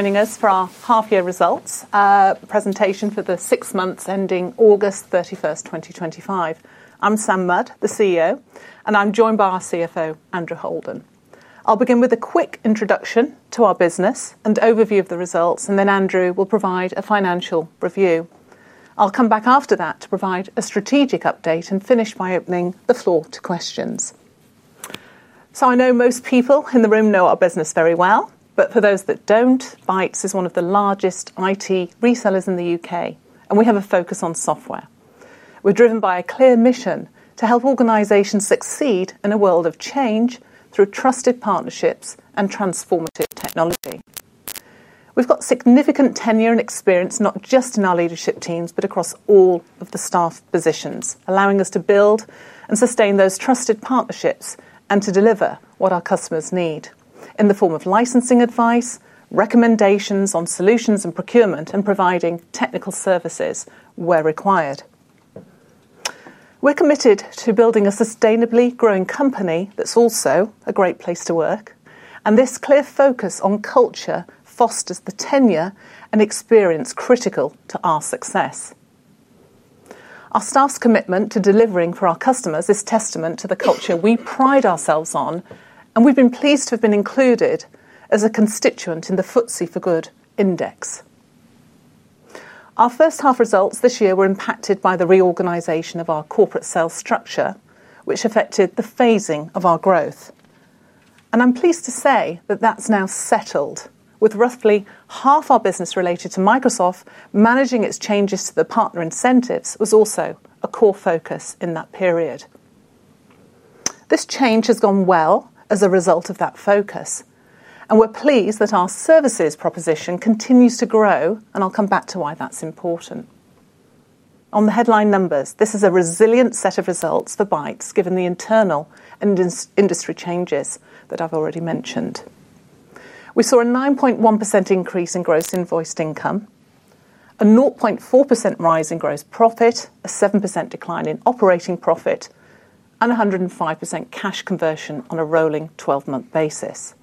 Joining us for our half year results presentation for the six months ending August 31, 2025. I'm Sam Mudd, the CEO, and I'm joined by our CFO, Andrew Holden. I'll begin with a quick introduction to our business and overview of the results, and then Andrew will provide a financial review. I'll come back after that to provide a strategic update and finish by opening the floor to questions. I know most people in the room know our business very well, but for those that don't, Bytes Technology Group is one of the largest IT resellers in the UK, and we have a focus on software. We're driven by a clear mission to help organizations succeed in a world of change through trusted partnerships and transformative technology. We've got significant tenure and experience not just in our leadership teams, but across all of the staff positions, allowing us to build and sustain those trusted partnerships and to deliver what our customers need in the form of licensing, advice, recommendations on solutions and procurement, and providing technical services where required. We're committed to building a sustainably growing company that's also a great place to work, and this clear focus on culture fosters the tenure and experience critical to our success. Our staff's commitment to delivering for our customers is testament to the culture we pride ourselves on. We've been pleased to have been included as a constituent in the FTSE for Good index. Our first half results this year were impacted by the reorganization of our corporate sales structure, which affected the phasing of our growth. I'm pleased to say that that's now settled. With roughly half our business related to Microsoft, managing its changes to the partner incentives was also a core focus in that period. This change has gone well as a result of that focus, and we're pleased that our services proposition continues to grow. I'll come back to why that's important on the headline numbers. This is a resilient set of results for Bytes Technology Group given the internal and industry changes that I've already mentioned. We saw a 9.1% increase in gross invoiced income, a 0.4% rise in gross profit, a 7% decline in operating profit, and 105% cash conversion on a rolling 12-month basis.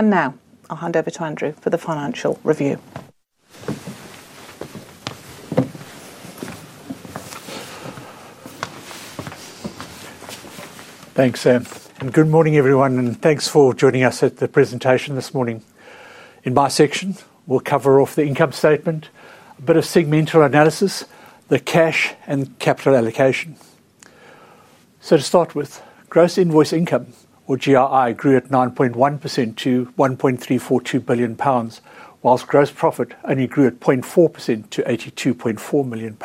Now I'll hand over to Andrew for the financial review. Thanks, Sam, and good morning everyone and thanks for joining us at the presentation this morning. In my section we'll cover off the income statement, a bit of segmental analysis, the cash and capital allocation. To start with, gross invoiced income, or GRI, grew at 9.1% to £1.342 billion, whilst gross profit only grew at 0.4% to £82.4 million.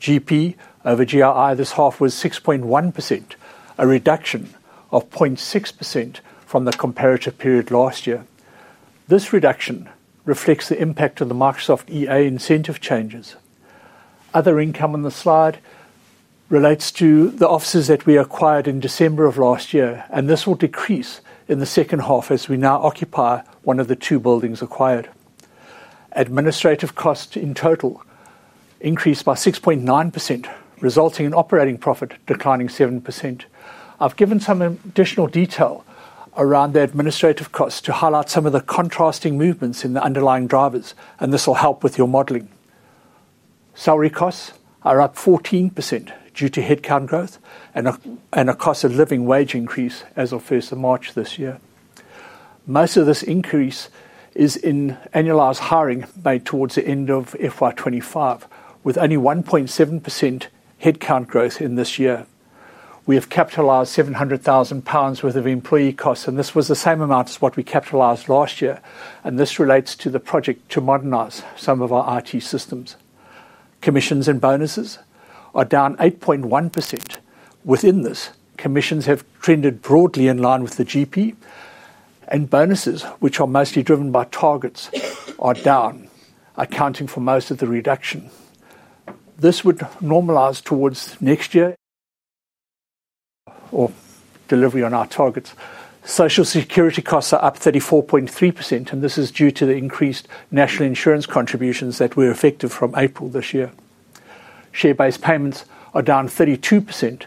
GP over GRI this half was 6.1%, a reduction of 0.6% from the comparative period last year. This reduction reflects the impact of the Microsoft Enterprise Agreements incentive changes. Other income on the slide relates to the offices that we acquired in December of last year, and this will decrease in the second half as we now occupy one of the two buildings acquired. Administrative cost in total increased by 6.9%, resulting in operating profit declining 7%. I've given some additional detail around the administrative costs to highlight some of the contrasting movements in the underlying drivers, and this will help with your modeling. Salary costs are up 14% due to headcount growth and a cost of living wage increase as of the 1st of March this year. Most of this increase is in annualized hiring made towards the end of FY25, with only 1.7% headcount growth in this year. We have capitalized £700,000 worth of employee costs, and this was the same amount as what we capitalized last year, and this relates to the project to modernize some of our IT systems. Commissions and bonuses are down 8.1%. Within this, commissions have trended broadly in line with the GP, and bonuses, which are mostly driven by targets, are down, accounting for most of the reduction. This would normalize towards next year or delivery on our targets. Social Security costs are up 34.3%, and this is due to the increased national insurance contributions that were effective from April this year. Share-based payments are down 32%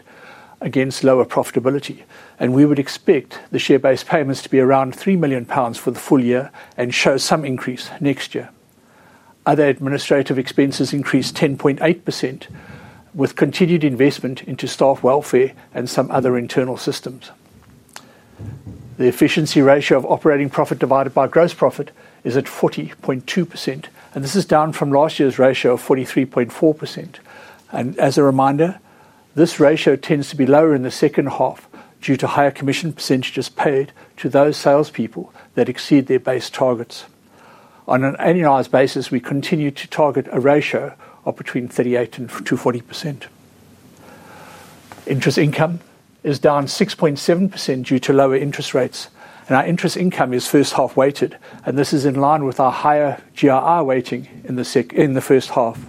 against lower profitability, and we would expect the share-based payments to be around £3 million for the full year and show some increase next year. Other administrative expenses increased 10.8% with continued investment into staff welfare and some other internal systems. The efficiency ratio of operating profit divided by gross profit is at 40.2%, and this is down from last year's ratio of 43.4%. As a reminder, this ratio tends to be lower in the second half due to higher commission percentages paid to those salespeople that exceed their base targets. On an annualized basis, we continue to target a ratio of between 38% and 40%. Interest income is down 6.7% due to lower interest rates and our interest income is first half weighted, and this is in line with our higher GRI weighting in the first half.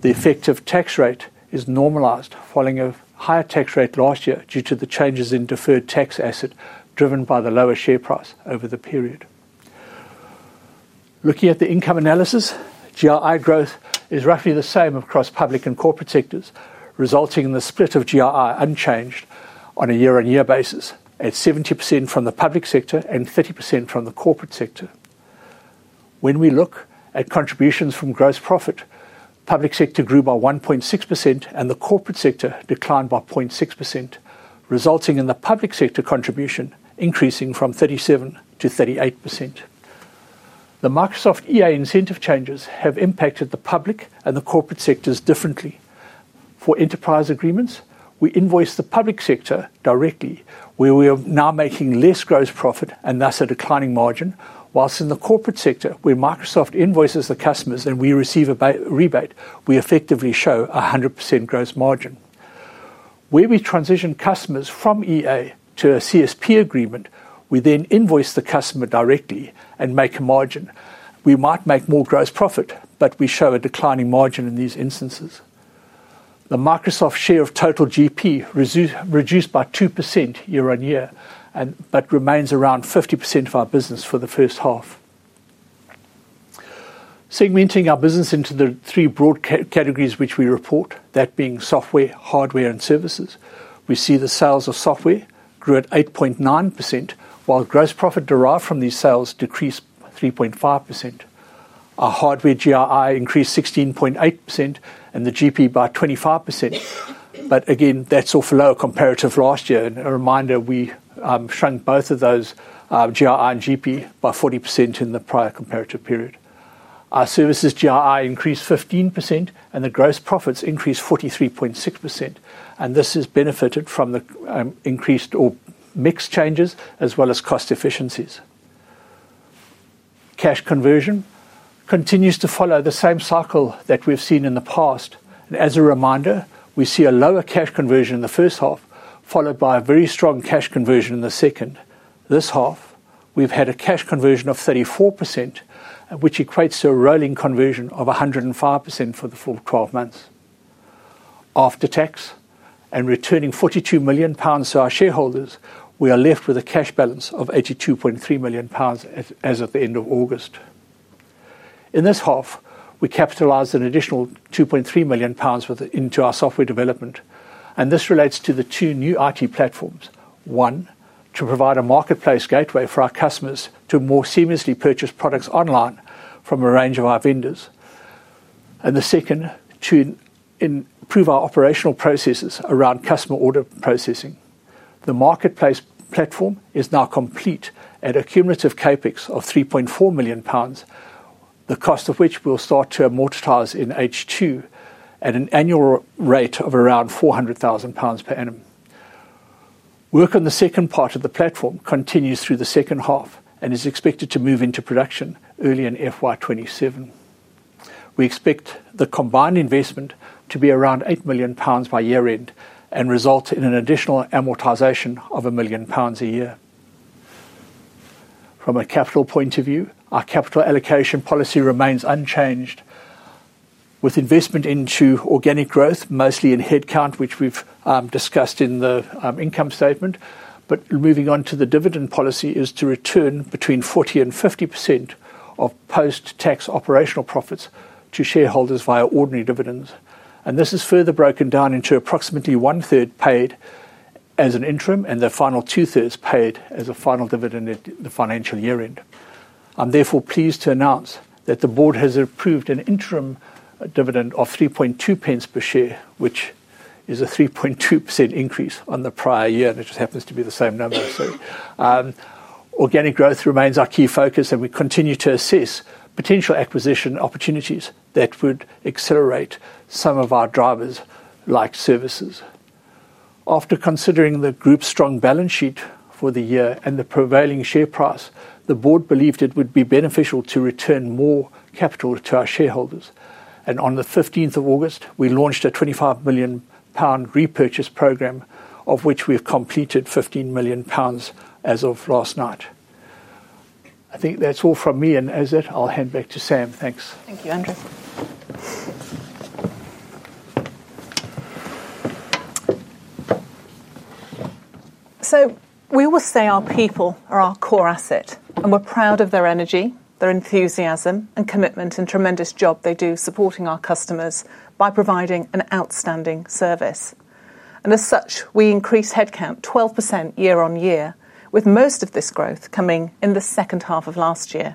The effective tax rate is normalized, following a higher tax rate last year due to the changes in deferred tax asset driven by the lower share price over the period. Looking at the income analysis, GRI growth is roughly the same across public and corporate sectors, resulting in the split of GRI unchanged on a year-on-year basis at 70% from the public sector and 30% from the corporate sector. When we look at contributions from gross profit, public sector grew by 1.6% and the corporate sector declined by 0.6%, resulting in the public sector contribution increasing from 37% to 38%. The Microsoft EA incentive changes have impacted the public and the corporate sectors differently. For Enterprise Agreements, we invoice the public sector directly where we are now making less gross profit and thus a declining margin. Whilst in the corporate sector, where Microsoft invoices the customers and we receive a rebate, we effectively show a higher 100% gross margin. Where we transition customers from EA to a CSP agreement, we then invoice the customer directly and make a margin. We might make more gross profit, but we show a declining margin in these instances. The Microsoft share of total GP reduced by 2% year on year but remains around 50% of our business for the first half. Segmenting our business into the three broad categories which we report, that being software, hardware, and services, we see the sales of software grew at 8.9% while gross profit derived from these sales decreased 3.5%. Our hardware GRI increased 16.8% and the GP by 25%, but again that's off a low comparative last year and a reminder, we shrunk both of those GRI and GP by 40% in the prior comparative period. Our services GRI increased 15% and the gross profits increased 43.6%, and this is benefited from the increased or mix changes as well as cost efficiencies. Cash conversion continues to follow the same cycle that we've seen in the past. As a reminder, we see a lower cash conversion in the first half followed by a very strong cash conversion in the second. This half we've had a cash conversion of 34%, which equates to a rolling conversion of 105% for the full 12 months after tax, and returning £42 million to our shareholders, we are left with a cash balance of £82.3 million as at the end of August. In this half we capitalized an additional £2.3 million into our software development and this relates to the two new IT platforms. One to provide a marketplace gateway for our customers to more seamlessly purchase products online from a range of our vendors, and the second to improve our operational processes around customer order processing. The marketplace platform is now complete at a cumulative CapEx of £3.4 million, the cost of which will start to amortize in H2 at an annual rate of around £400,000 per annum. Work on the second part of the platform continues through the second half and is expected to move into production early in FY2027. We expect the combined investment to be around £8 million by year end and result in an additional amortization of £1 million a year. From a capital point of view, our capital allocation policy remains unchanged with investment into organic growth mostly in headcount, which we've discussed in the income statement, but moving on to the dividend policy is to return between 40% and 50% of post-tax operational profits to shareholders via ordinary dividends and this is further broken down into approximately 1/3 paid as an interim and the final 2/3 paid as a final dividend at the financial year end. I'm therefore pleased to announce that the Board has approved an interim dividend of 3.2 pence per share, which is a 3.2% increase on the prior year and it just happens to be the same number. Organic growth remains our key focus and we continue to assess potential acquisition opportunities that would accelerate some of our drivers like services. After considering the group's strong balance sheet for the year and the prevailing share price, the Board believed it would be beneficial to return more capital to our shareholders and on the 15th of August we launched a £25 million share repurchase program of which we've completed £15 million as of last night. I think that's all from me and Azit. I'll hand back to Sam, thanks. Thank you, Andrew. We always say our people are our core asset, and we're proud of their energy, their enthusiasm, and commitment, and the tremendous job they do supporting our customers by providing an outstanding service. As such, we increased headcount 12% year on year, with most of this growth coming in the second half of last year.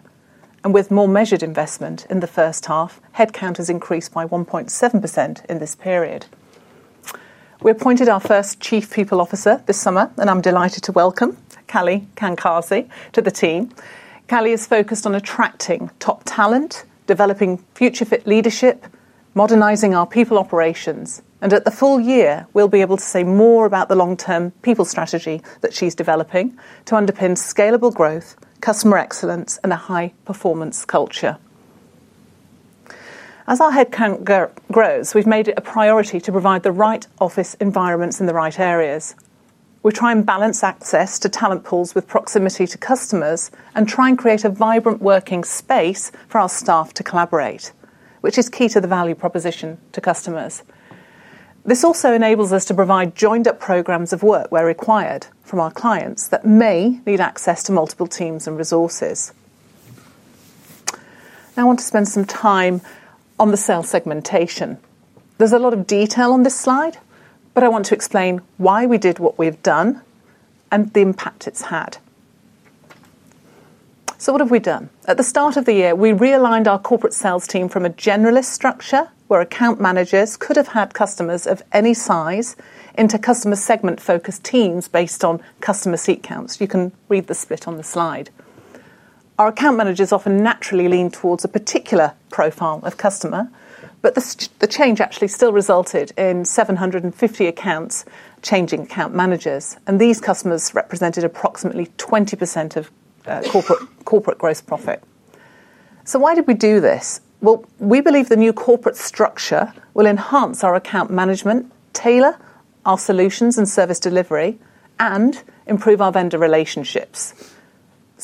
With more measured investment in the first half, headcount has increased by 1.7% in this period. We appointed our first Chief People Officer this summer, and I'm delighted to welcome Kali Kankazi to the team. Kali is focused on attracting top talent, developing future-fit leadership, modernizing our people operations, and at the full year we'll be able to say more about the long-term people strategy that she's developing to underpin scalable growth, customer excellence, and a high-performance culture. As our headcount grows, we've made it a priority to provide the right office environments in the right areas. We try to balance access to talent pools with proximity to customers and try to create a vibrant working space for our staff to collaborate, which is key to the value proposition to customers. This also enables us to provide joined-up programs of work where required from our clients that may need access to multiple teams and resources. Now, I want to spend some time on the sales segmentation. There's a lot of detail on this slide, but I want to explain why we did what we've done and the impact it's had. What have we done? At the start of the year, we realigned our corporate sales team from a generalist structure, where account managers could have had customers of any size, into customer segment-focused teams based on customer seat counts. You can read the split on the slide. Our account managers often naturally lean towards a particular profile of customer, but the change actually still resulted in 750 accounts changing account managers, and these customers represented approximately 20% of corporate gross profit. Why did we do this? The new corporate structure will enhance our account management, tailor our solutions and service delivery, and improve our vendor relationships.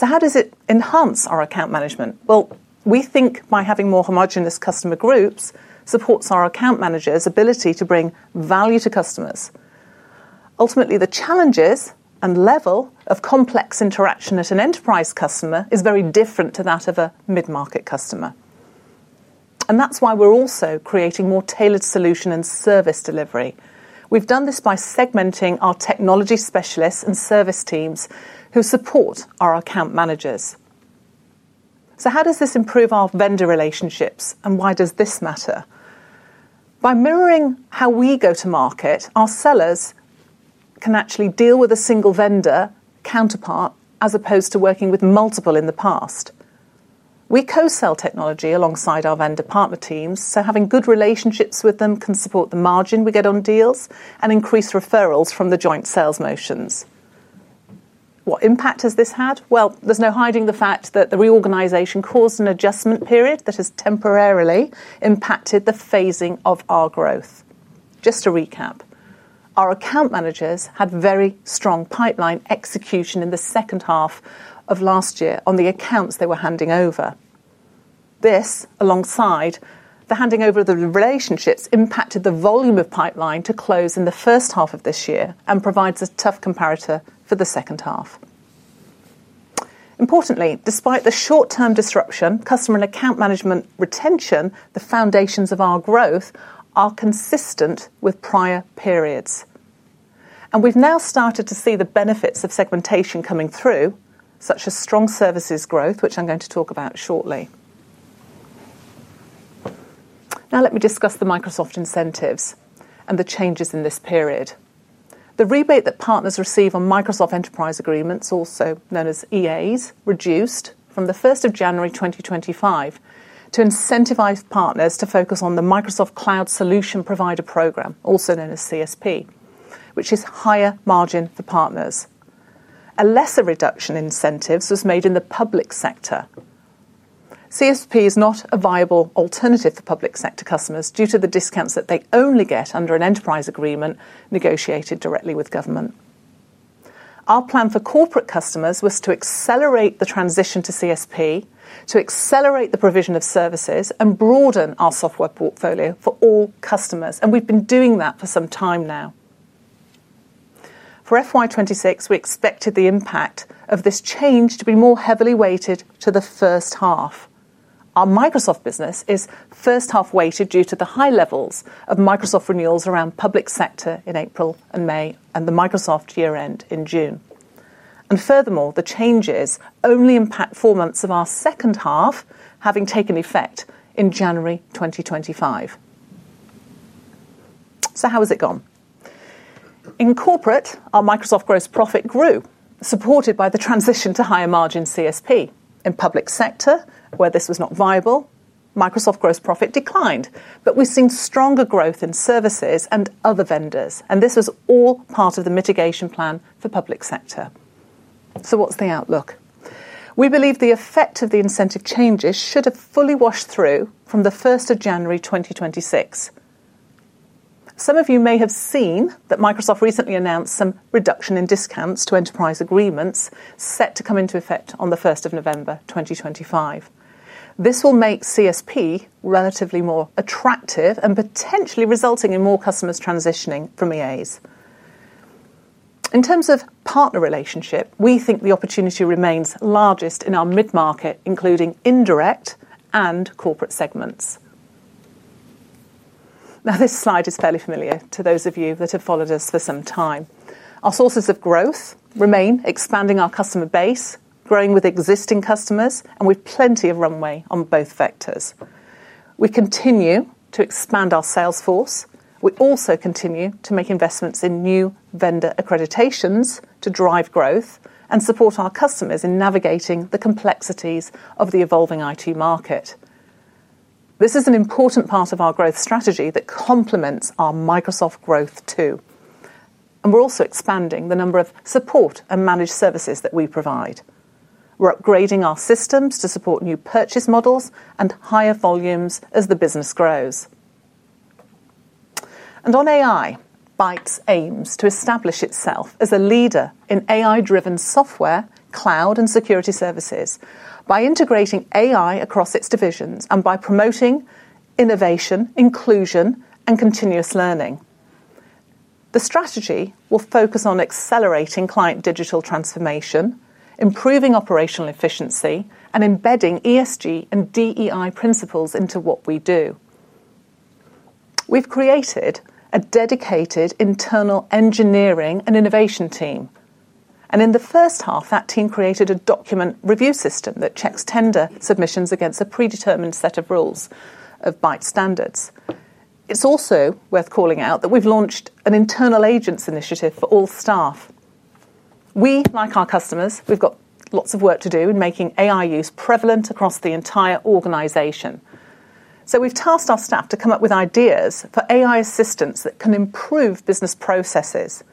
How does it enhance our account management? By having more homogenous customer groups, it supports our account managers' ability to bring value to customers. Ultimately, the challenges and level of complex interaction at an enterprise customer is very different to that of a mid-market customer, and that's why we're also creating more tailored solution and service delivery. We've done this by segmenting our technology specialists and service teams who support our account managers. How does this improve our vendor relationships and why does this matter? By mirroring how we go to market, our sellers can actually deal with a single vendor counterpart as opposed to working with multiple. In the past, we co-sell technology alongside our vendor partner teams, so having good relationships with them can support the margin we get on deals and increase referrals from the joint sales motions. What impact has this had? There is no hiding the fact that the reorganization caused an adjustment period that has temporarily impacted the phasing of our growth. Just to recap, our account managers had very strong pipeline execution in the second half of last year on the accounts they were handing over. This, alongside the handing over of the relationships, impacted the volume of pipeline to close in the first half of this year and provides a tough comparator for the second half. Importantly, despite the short-term disruption, customer and account management retention, the foundations of our growth are consistent with prior periods, and we've now started to see the benefits of segmentation coming through, such as strong services growth, which I'm going to talk about shortly. Now let me discuss the Microsoft incentives and the changes in this period. The rebate that partners receive on Microsoft Enterprise Agreements, also known as EAs, reduced from January 1, 2025, to incentivize partners to focus on the Microsoft Cloud Solution Provider (CSP) model, which is higher margin for partners. A lesser reduction in incentives was made in the public sector. CSP is not a viable alternative for public sector customers due to the discounts that they only get under an Enterprise Agreement negotiated directly with government. Our plan for corporate customers was to accelerate the transition to CSP to accelerate the provision of services and broaden our software portfolio for all customers, and we've been doing that for some time now. For FY2026, we expected the impact of this change to be more heavily weighted to the first half. Our Microsoft business is first half weighted due to the high levels of Microsoft renewals around public sector in April and May and the Microsoft year end in June. Furthermore, the changes only impact four months of our second half, having taken effect in January 2025. How has it gone in corporate? Our Microsoft gross profit grew, supported by the transition to higher margin CSP. In public sector, where this was not viable, Microsoft gross profit declined. We've seen stronger growth in services and other vendors, and this is all part of the mitigation plan for public sector. What's the outlook? We believe the effect of the incentive changes should have fully washed through from January 1, 2026. Some of you may have seen that Microsoft recently announced some reduction in discounts to Enterprise Agreements set to come into effect on November 1, 2025. This will make CSP relatively more attractive and potentially result in more customers transitioning from EA. In terms of partner relationship, we think the opportunity remains largest in our mid market, including indirect and corporate segments. This slide is fairly familiar to those of you that have followed us for some time. Our sources of growth remain expanding our customer base, growing with existing customers, and with plenty of runway on both vectors. We continue to expand our sales force. We also continue to make investments in new vendor accreditations to drive growth and support our customers in navigating the complexities of the evolving IT market. This is an important part of our growth strategy that complements our Microsoft growth too. We're also expanding the number of support and managed services that we provide. We're upgrading our systems to support new purchase models and higher volumes as the business grows. On AI, Bytes aims to establish itself as a leader in AI-driven software, cloud, and security services by integrating AI across its divisions and by promoting innovation, inclusion, and continuous learning. The strategy will focus on accelerating client digital transformation, improving operational efficiency, and embedding ESG and DEI principles into what we do. We've created a dedicated internal engineering and innovation team, and in the first half that team created a document review system that checks tender submissions against a predetermined set of rules of Bytes standards. It's also worth calling out that we've launched an internal agents initiative for all staff. Like our customers, we've got lots of work to do in making AI use prevalent across the entire organization, so we've tasked our staff to come up with ideas for AI assistance that can improve business processes.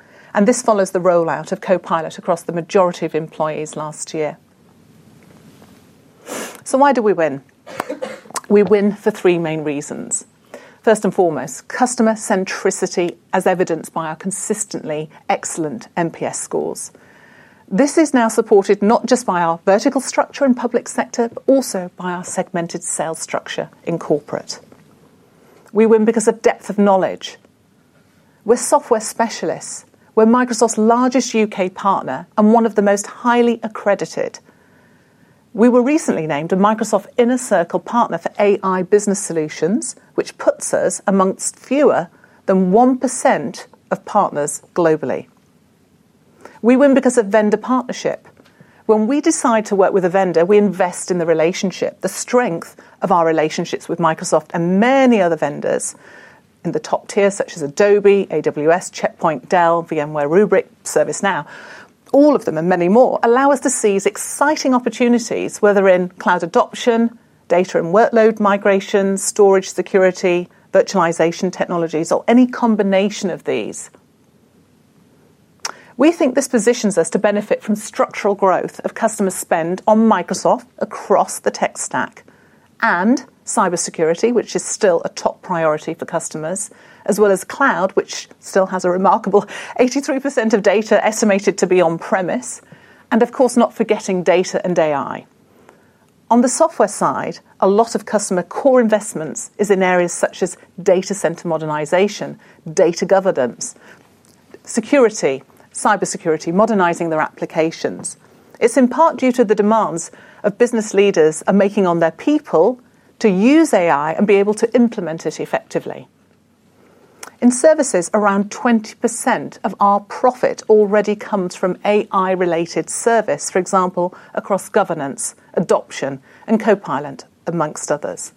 This follows the rollout of Microsoft Copilot across the majority of employees last year. We win for three main reasons. First and foremost, customer centricity, as evidenced by our consistently excellent NPS scores. This is now supported not just by our vertical structure and public sector, but also by our segmented sales structure in corporate. We win because of depth of knowledge. We're software specialists, we're Microsoft's largest UK partner and one of the most highly accredited. We were recently named a Microsoft Inner Circle Partner for AI Business Solutions, which puts us amongst fewer than 1% of partners globally. We win because of vendor partnerships. When we decide to work with a vendor, we invest in the relationship. The strength of our relationships with Microsoft and many other vendors in the top tier such as Adobe, AWS, Check Point, Dell, VMware, Rubrik, ServiceNow, all of them and many more allow us to seize exciting opportunities whether in cloud adoption, data and workload migration, storage, security, virtualization technologies, or any combination of these. We think this positions us to benefit from structural growth of customer spend on Microsoft across the tech stack and cybersecurity, which is still a top priority for customers, as well as cloud, which still has a remarkable 83% of data estimated to be on premise. Of course, not forgetting data and AI. On the software side, a lot of customer core investments is in areas such as data center modernization, data governance, security, cybersecurity, modernizing their applications. It's in part due to the demands business leaders are making on their people to use AI and be able to implement it effectively in services. Around 20% of our profit already comes from AI-related services, for example across governance, adoption, and Microsoft Copilot amongst others.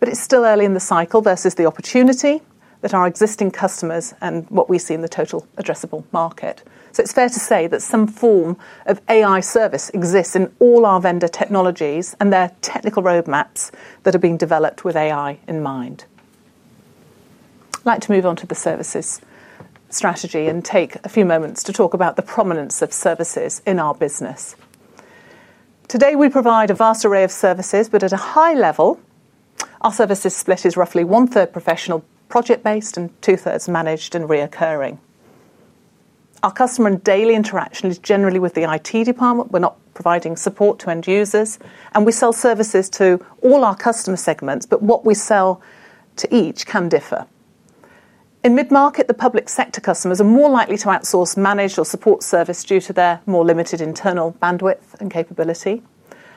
It's still early in the cycle versus the opportunity that our existing customers and what we see in the total addressable market. It's fair to say that some form of AI service exists in all our vendor technologies and their technical roadmaps that are being developed with AI in mind. I'd like to move on to the services strategy and take a few moments to talk about the prominence of services in our business. Today we provide a vast array of services, but at a high level our services split is roughly 1/3 professional project based and 2/3 managed and recurring. Our customer and daily interaction is generally with the IT department. We're not providing support to end users and we sell services to all our customer segments. What we sell to each can differ. In mid market, the public sector customers are more likely to outsource, manage, or support services due to their more limited internal bandwidth and capability,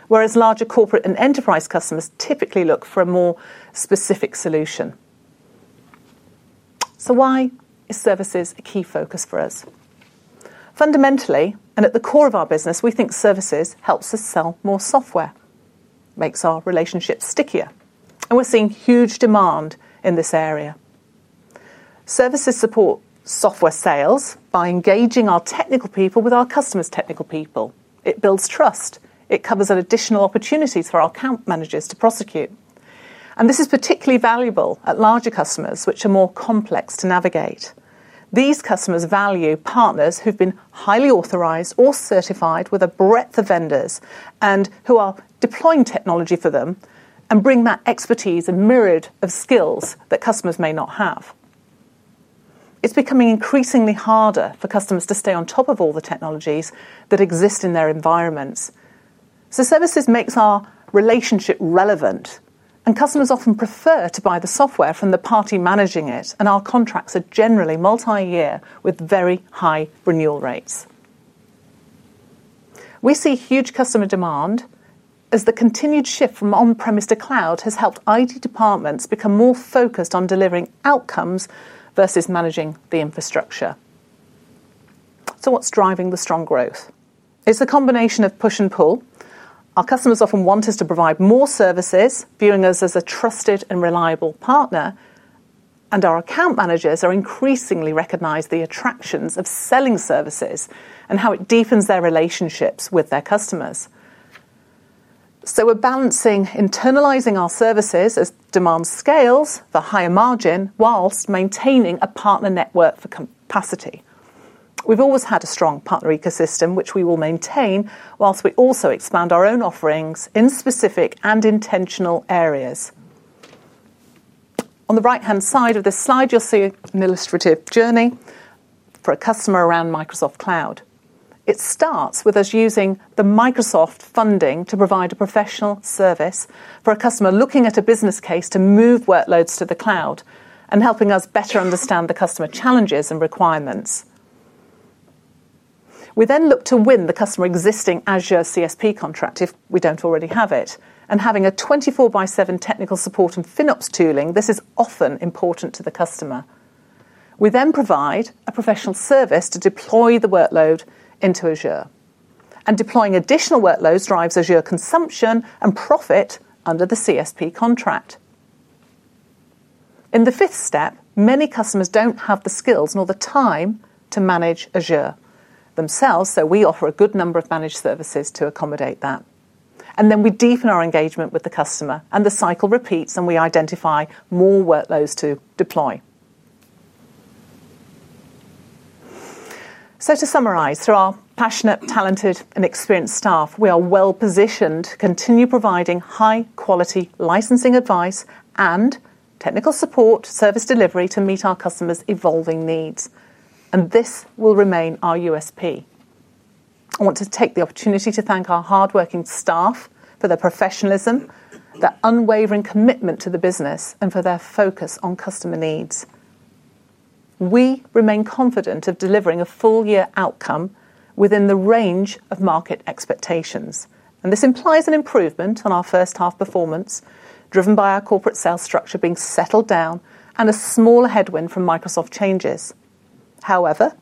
whereas larger corporate and enterprise customers typically look for a more specific solution. Services is a key focus for us fundamentally and at the core of our business. We think services helps us sell more software, makes our relationships stickier, and we're seeing huge demand in this area. Services support software sales by engaging our technical people with our customers. Technical people in IT build trust. It covers additional opportunities for our account managers to prosecute. This is particularly valuable at larger customers which are more complex to navigate. These customers value partners who've been highly authorized or certified with a breadth of vendors and who are deploying technology for them and bring that expertise and myriad of skills that customers may not have. It's becoming increasingly harder for customers to stay on top of all the technologies that exist in their environments. Services makes our relationship relevant and customers often prefer to buy the software from the party managing IT, and our contracts are generally multi year with very high renewal rates. We see huge customer demand as the continued shift from on premise to cloud has helped IT departments become more focused on delivering outcomes versus managing the infrastructure. What's driving the strong growth is a combination of push and pull. Our customers often want us to provide more services, viewing us as a trusted and reliable partner. Our account managers are increasingly recognizing the attractions of selling services and how it deepens their relationships with their customers. We're balancing internalizing our services as demand scales the higher margin whilst maintaining a partner network for capacity. We've always had a strong partner ecosystem, which we will maintain while we also expand our own offerings in specific and intentional areas. On the right-hand side of this slide, you'll see an illustrative journey for a customer around Microsoft Cloud. It starts with us using the Microsoft funding to provide a professional service for a customer, looking at a business case to move workloads to the cloud and helping us better understand the customer challenges and requirements. We then look to win the customer's existing Azure CSP contract if we don't already have it, and having a 24/7 technical support and FinOps tooling. This is often important to the customer. We then provide a professional service to deploy the workload into Azure, and deploying additional workloads drives Azure consumption and profit under the CSP contract. In the fifth step, many customers don't have the skills nor the time to manage Azure themselves, so we offer a good number of managed services to accommodate that, and then we deepen our engagement with the customer and the cycle repeats as we identify more workloads to deploy. To summarize, through our passionate, talented, and experienced staff, we are well positioned to continue providing high-quality licensing advice and technical support service delivery to meet our customers' evolving needs, and this will remain our USP. I want to take the opportunity to thank our hard-working staff for their professionalism, their unwavering commitment to the business, and for their focus on customer needs. We remain confident of delivering a full-year outcome within the range of market expectations, and this implies an improvement on our first-half performance driven by our corporate sales structure being settled down and a smaller headwind from Microsoft changes. However,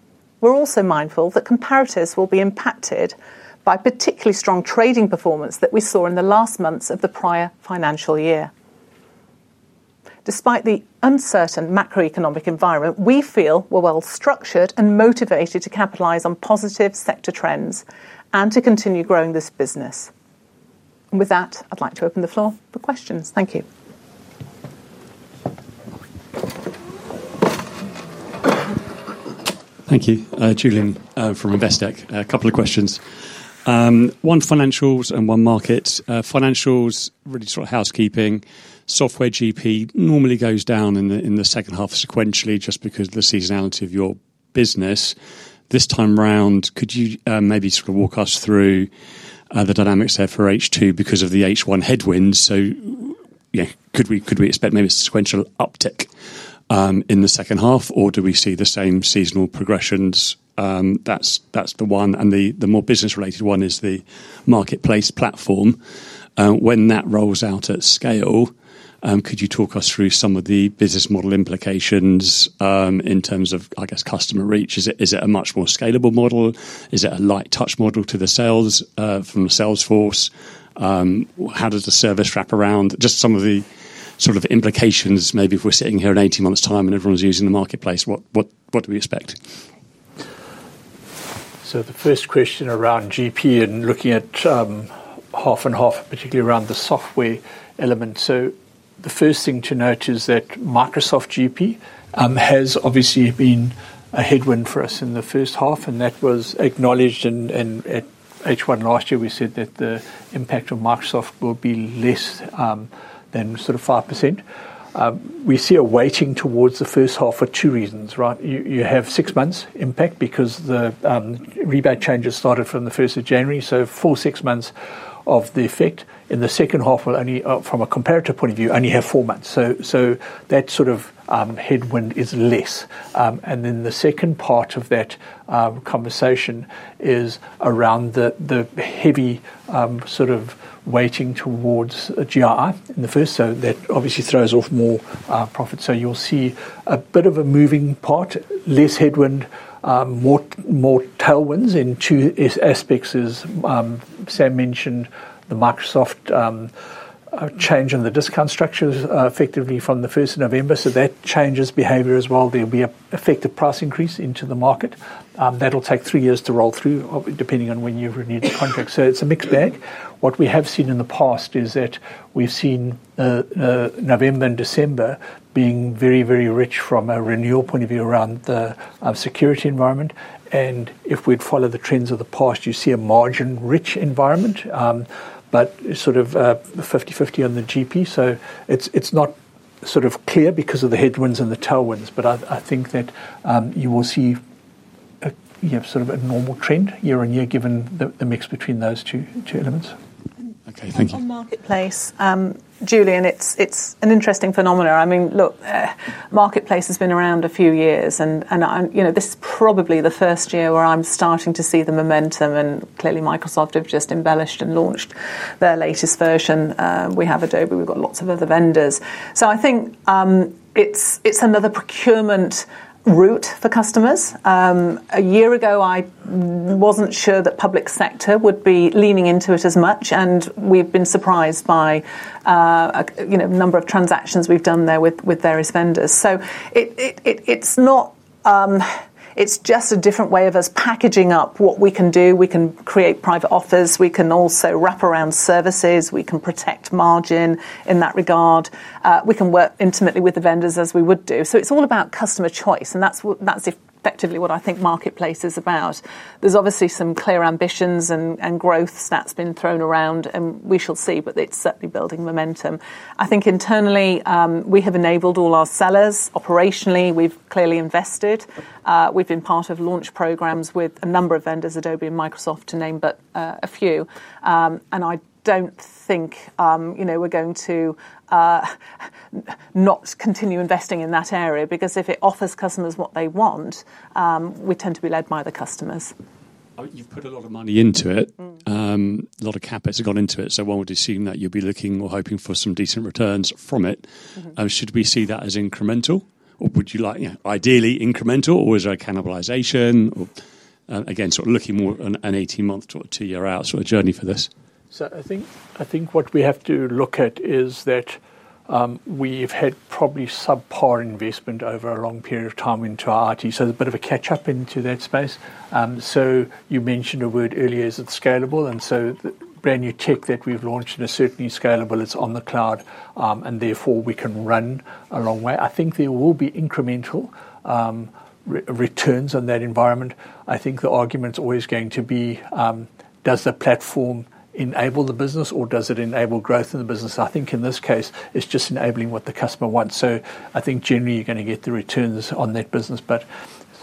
we're also mindful that comparators will be impacted by particularly strong trading performance that we saw in the last months of the prior financial year. Despite the uncertain macroeconomic environment, we feel we're well structured and motivated to capitalize on positive sector trends and to continue growing this business. With that, I'd like to open the floor for questions. Thank you. Thank you. Julian from Investec. A couple of questions. One financials and one market financials, really sort of housekeeping software. GP normally goes down in the second half sequentially, just because of the seasonality of your business this time round. Could you maybe walk us through the dynamics there for H2 because of the H1 headwinds? Could we expect maybe a sequential uptick in the second half, or do we see the same seasonal progressions? That's the one. The more business-related one is the customer marketplace portal. When that rolls out at scale, could you talk us through some of the business model implications in terms of, I guess, customer reach? Is it a much more scalable model? Is it a light touch model to the sales from the salesforce? How does the service wrap around? Just some of the sort of implications, maybe if we're sitting here in 18 months' time and everyone's using the marketplace, what do we expect? The first question is around GP and looking at half and half, particularly around the software element. The first thing to note is that Microsoft GP has obviously been a headwind for us in the first half and that was acknowledged at H1 last year. We said that the impact of Microsoft will be less than 5%. We see a weighting towards the first half for two reasons. You have six months impact because the rebate changes started from January 1, so a full six months of the effect. In the second half, from a comparative point of view, you only have four months, so that headwind is less. The second part of that conversation is around the heavy weighting towards GRI in the first. That obviously throws off more profit. You'll see a bit of a moving part, less headwind, more tailwinds in two aspects. As Sam mentioned, the Microsoft change in the discount structures is effective from November 1, so that changes behavior as well. There will be an effective price increase into the market that will take three years to roll through depending on when you've renewed the contract. It's a mixed bag. What we have seen in the past is that we've seen November and December being very, very rich from a renewal point of view around the security environment. If we follow the trends of the past, you see a margin rich environment, but sort of 50/50 on the GP. It's not clear because of the headwinds and the tailwinds. I think that you will see a normal trend year on year given the mix between those two elements on Marketplace. Julian, it's an interesting phenomenon. I mean, look, Marketplace has been around a few years and this is probably the first year where I'm starting to see the momentum, and clearly Microsoft have just embellished and launched their latest version. We have Adobe, we've got lots of other vendors, so I think it's another procurement route for customers. A year ago I wasn't sure that public sector would be leaning into it as much, and we've been surprised by a number of transactions we've done there with various vendors. It's just a different way of us packaging up what we can do. We can create private offers, we can also wraparound services, we can protect margin in that regard. We can work intimately with the vendors as we would do. It's all about customer choice, and that's effectively what I think Marketplace is about. There are obviously some clear ambitions and growth stats being thrown around, and we shall see, but it's certainly building momentum. I think internally we have enabled all our sellers operationally, we've clearly invested, we've been part of launch programs with a number of vendors, Adobe and Microsoft to name but a few. I don't think we're going to not continue investing in that area because if it offers customers what they want, we tend to be led by the customers. You've put a lot of money into it, a lot of CapEx has gone into it. One would assume that you'll be looking or hoping for some decent returns from it. Should we see that as incremental, or would you like, you know, ideally incremental, or is there a cannibalization, or again sort of looking more an 18-month, two-year out sort of journey for this? I think what we have to look at is that we've had probably subpar investment over a long period of time into our IT. There's a bit of a catch up into that space. You mentioned a word earlier, is it scalable? The brand new tech that we've launched is certainly scalable, it's on the cloud and therefore we can run a long way. I think there will be incremental returns on that environment. The argument's always going to be does the platform enable the business or does it enable growth in the business? In this case it's just enabling what the customer wants. I think generally you're going to get the returns on that business but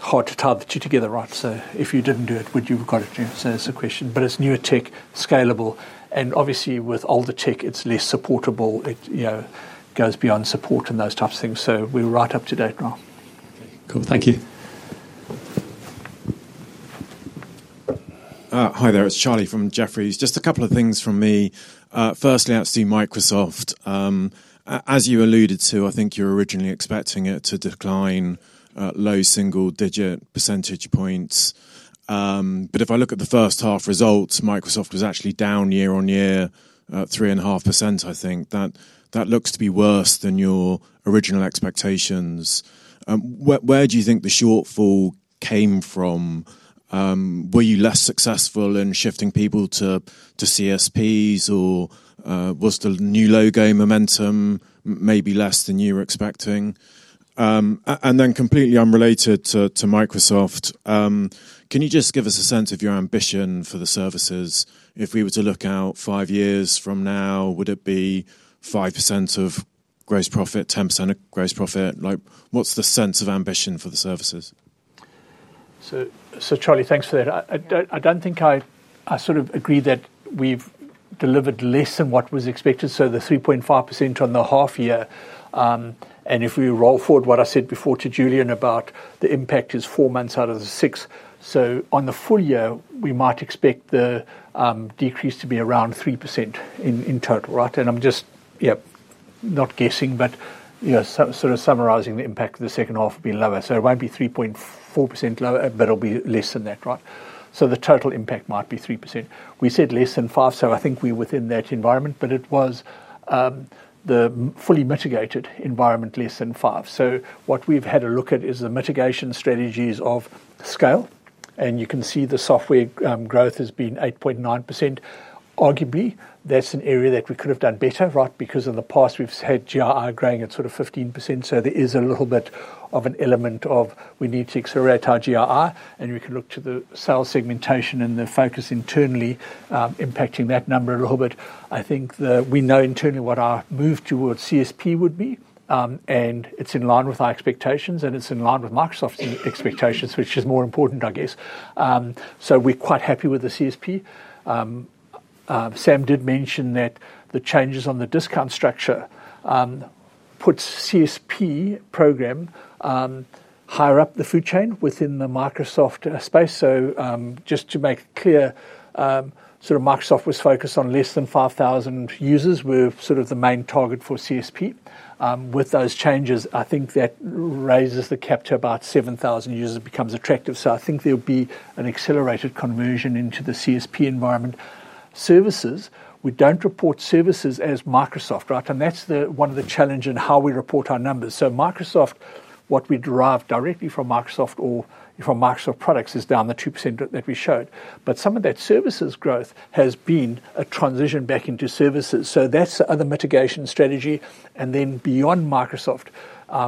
hard to target you to get. If you didn't do it, would you have got it? That's the question. It's newer tech, scalable and obviously with older tech it's less supportable. It goes beyond support and those types of things. We're right up to date now. Cool, thank you. Hi there, it's Charlie from Jefferies. Just a couple of things from me. Firstly, let's do Microsoft as you alluded to. I think you were originally expecting it to decline low single digit percentage points, but if I look at the first half results, Microsoft was actually down year on year, 3.5%. I think that looks to be worse than your original expectations. Where do you think the shortfall came from? Were you less successful in shifting people to CSPs or was the new low game momentum maybe less than you were expecting? Then, completely unrelated to Microsoft, can you just give us a sense of your ambition for the services? If we were to look out five years from now, would it be 5% of gross profit, 10% of gross profit? What's the sense of ambition for the services? Charlie, thanks for that. I don't think I sort of agree that we've delivered less than what was expected. The 3.5% on the half year, and if we roll forward, what I said before to Julian about the impact is four months out of the six. On the full year, we might expect the decrease to be around 3% in total. I'm just not guessing, but summarizing the impact of the second half will be lower. It won't be 3.4% lower, but it'll be less than that. The total impact might be 3%. We said less than 5%, so I think we're within that environment. It was the fully mitigated environment, less than 5%. What we've had a look at is the mitigation strategies of scale, and you can see the software growth has been 8.9%. Arguably, that's an area that we could have done better, because in the past we've had gross invoiced income growing at sort of 15%. There is a little bit of an element of we need to accelerate our gross invoiced income, and we can look to the cell segmentation and the focus internally impacting that number a little bit. I think we know internally what our move towards the Cloud Solution Provider (CSP) model would be, and it's in line with our expectations and it's in line with Microsoft's expectations, which is more important, I guess. We're quite happy with the CSP. Sam did mention that the changes on the discount structure put the CSP program higher up the food chain within the Microsoft space. Just to make clear, Microsoft was focused on less than 5,000 users who were the main target for CSP. With those changes, I think that raises the cap to about 7,000 users, becomes attractive. I think there'll be an accelerated conversion into the CSP environment. Services, we don't report services as Microsoft, and that's one of the challenges in how we report our numbers. Microsoft, what we derive directly from Microsoft or from Microsoft products, is down the 2% that we showed. Some of that services growth has been a transition back into services, so that's the other mitigation strategy. Beyond Microsoft,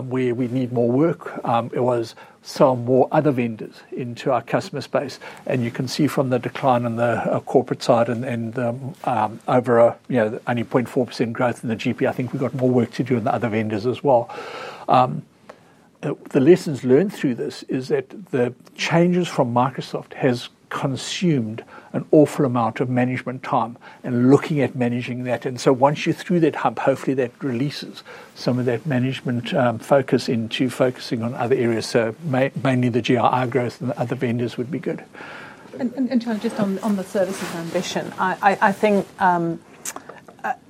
where we need more work, it was some more other vendors into our customer space, and you can see from the decline on the corporate side and only 0.4% growth in the gross profit. I think we've got more work to do in the other vendors as well. The lessons learned through this is that the changes from Microsoft have consumed an awful amount of management time and looking at managing that. Once you're through that hub, hopefully that releases some of that management focus into focusing on other areas. Mainly the gross invoiced income growth and other vendors would be good. Charlie, just on the services ambition, I think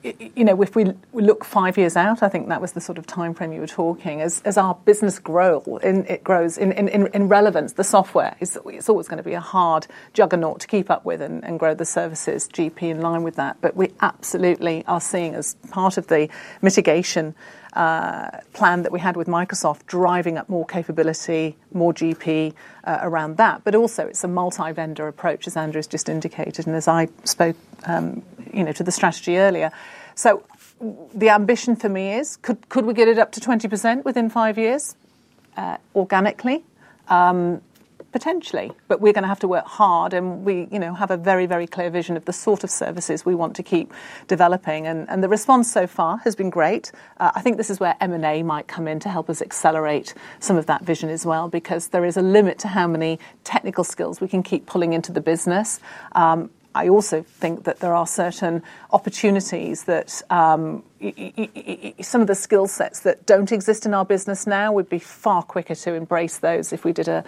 if we look five years out, I think that was the sort of time frame you were talking. As our business grows in relevance, the software, it's always going to be a hard juggernaut to keep up with and grow the services GP in line with that. We absolutely are seeing as part of the mitigation plan that we had with Microsoft driving up more capability, more GP around that. It is a multi-vendor approach as Andrew has just indicated and as I spoke to the strategy earlier. The ambition for me is could we get it up to 20% within five years organically, potentially. We are going to have to work hard and we have a very, very clear vision of the sort of services we want to keep developing and the response so far has been great. I think this is where M&A might come in to help us accelerate some of that vision as well, because there is a limit to how many technical skills we can keep pulling into the business. I also think that there are certain opportunities that some of the skill sets that don't exist in our business now would be fine. Quicker to embrace those if we did a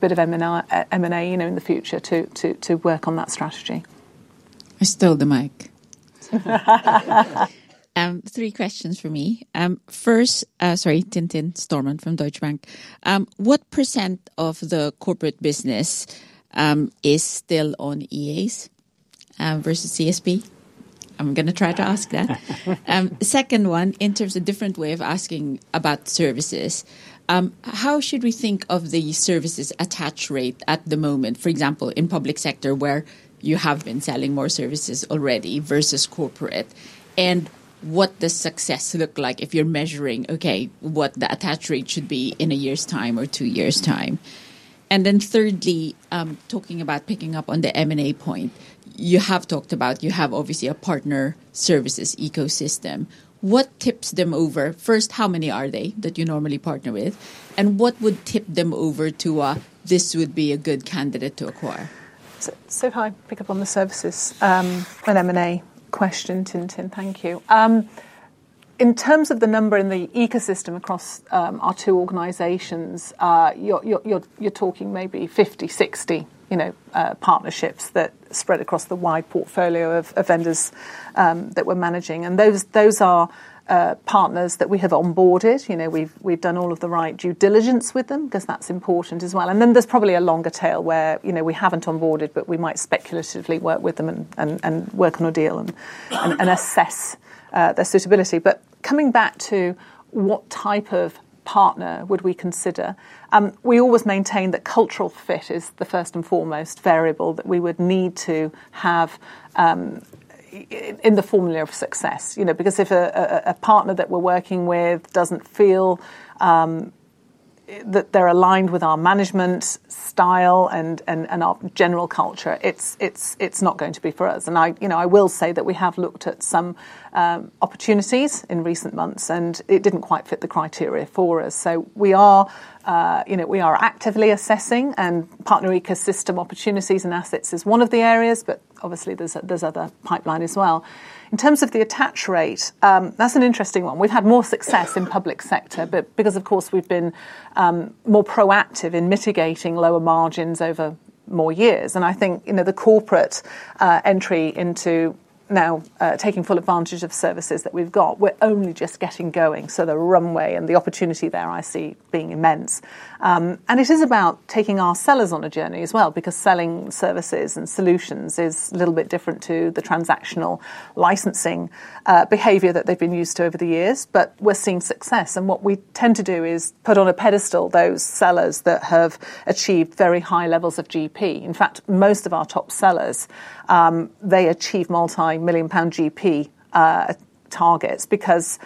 bit of M&A in the future to work on that strategy. I stole the mic. Three questions for me. First, sorry, Tintin Stormann from Deutsche Bank, what % of the corporate business is still on Enterprise Agreements versus Cloud Solution Provider model? I'm going to try to ask that second one in terms of a different way of asking about services, how should we think of the services attach rate at the moment? For example, in public sector where you have been selling more services already versus corporate, and what does success look like if you're measuring, okay, what the attach rate should be in a year's time or two years' time? Thirdly, talking about picking up on the M&A point you have talked about, you have obviously a partner services ecosystem. What tips them over first? How many are there that you normally partner with, and what would tip them over to this would be a good candidate to acquire. If I pick up on the services and M&A question. Tintin. Thank you. In terms of the number in the ecosystem across our two organizations, you're talking maybe 50, 60 partnerships that spread across the wide portfolio of vendors that we're managing, and those are partners that we have onboarded. We've done all of the right due diligence with them because that's important as well. Then there's probably a longer tail where we haven't onboarded, but we might speculatively work with them and work on a deal and assess their suitability. Coming back to what type of partner we would consider, we always maintain that cultural fit is the first and foremost variable that we would need to have in the formula of success, because if a partner that we're working with doesn't feel that they're aligned with our management style and our general culture, it's not going to be for us. I will say that we have looked at some opportunities in recent months and it didn't quite fit the criteria for us. We are actively assessing and partner ecosystem opportunities and assets is one of the areas. Obviously, there's other pipeline as well. In terms of the attach rate, that's an interesting one. We've had more success in public sector because we've been more proactive in mitigating lower margins over more years, and I think the corporate entry into now taking full advantage of services that we've got, we're only just getting going. The runway and the opportunity there I see being immense. It is about taking our sellers on a journey as well because selling services and solutions is a little bit different to the transactional licensing behavior that they've been used to over the years. We're seeing success, and what we tend to do is put on a pedestal those sellers that have achieved very high levels of GP. In fact, most of our top sellers achieve multi-million pound GP targets because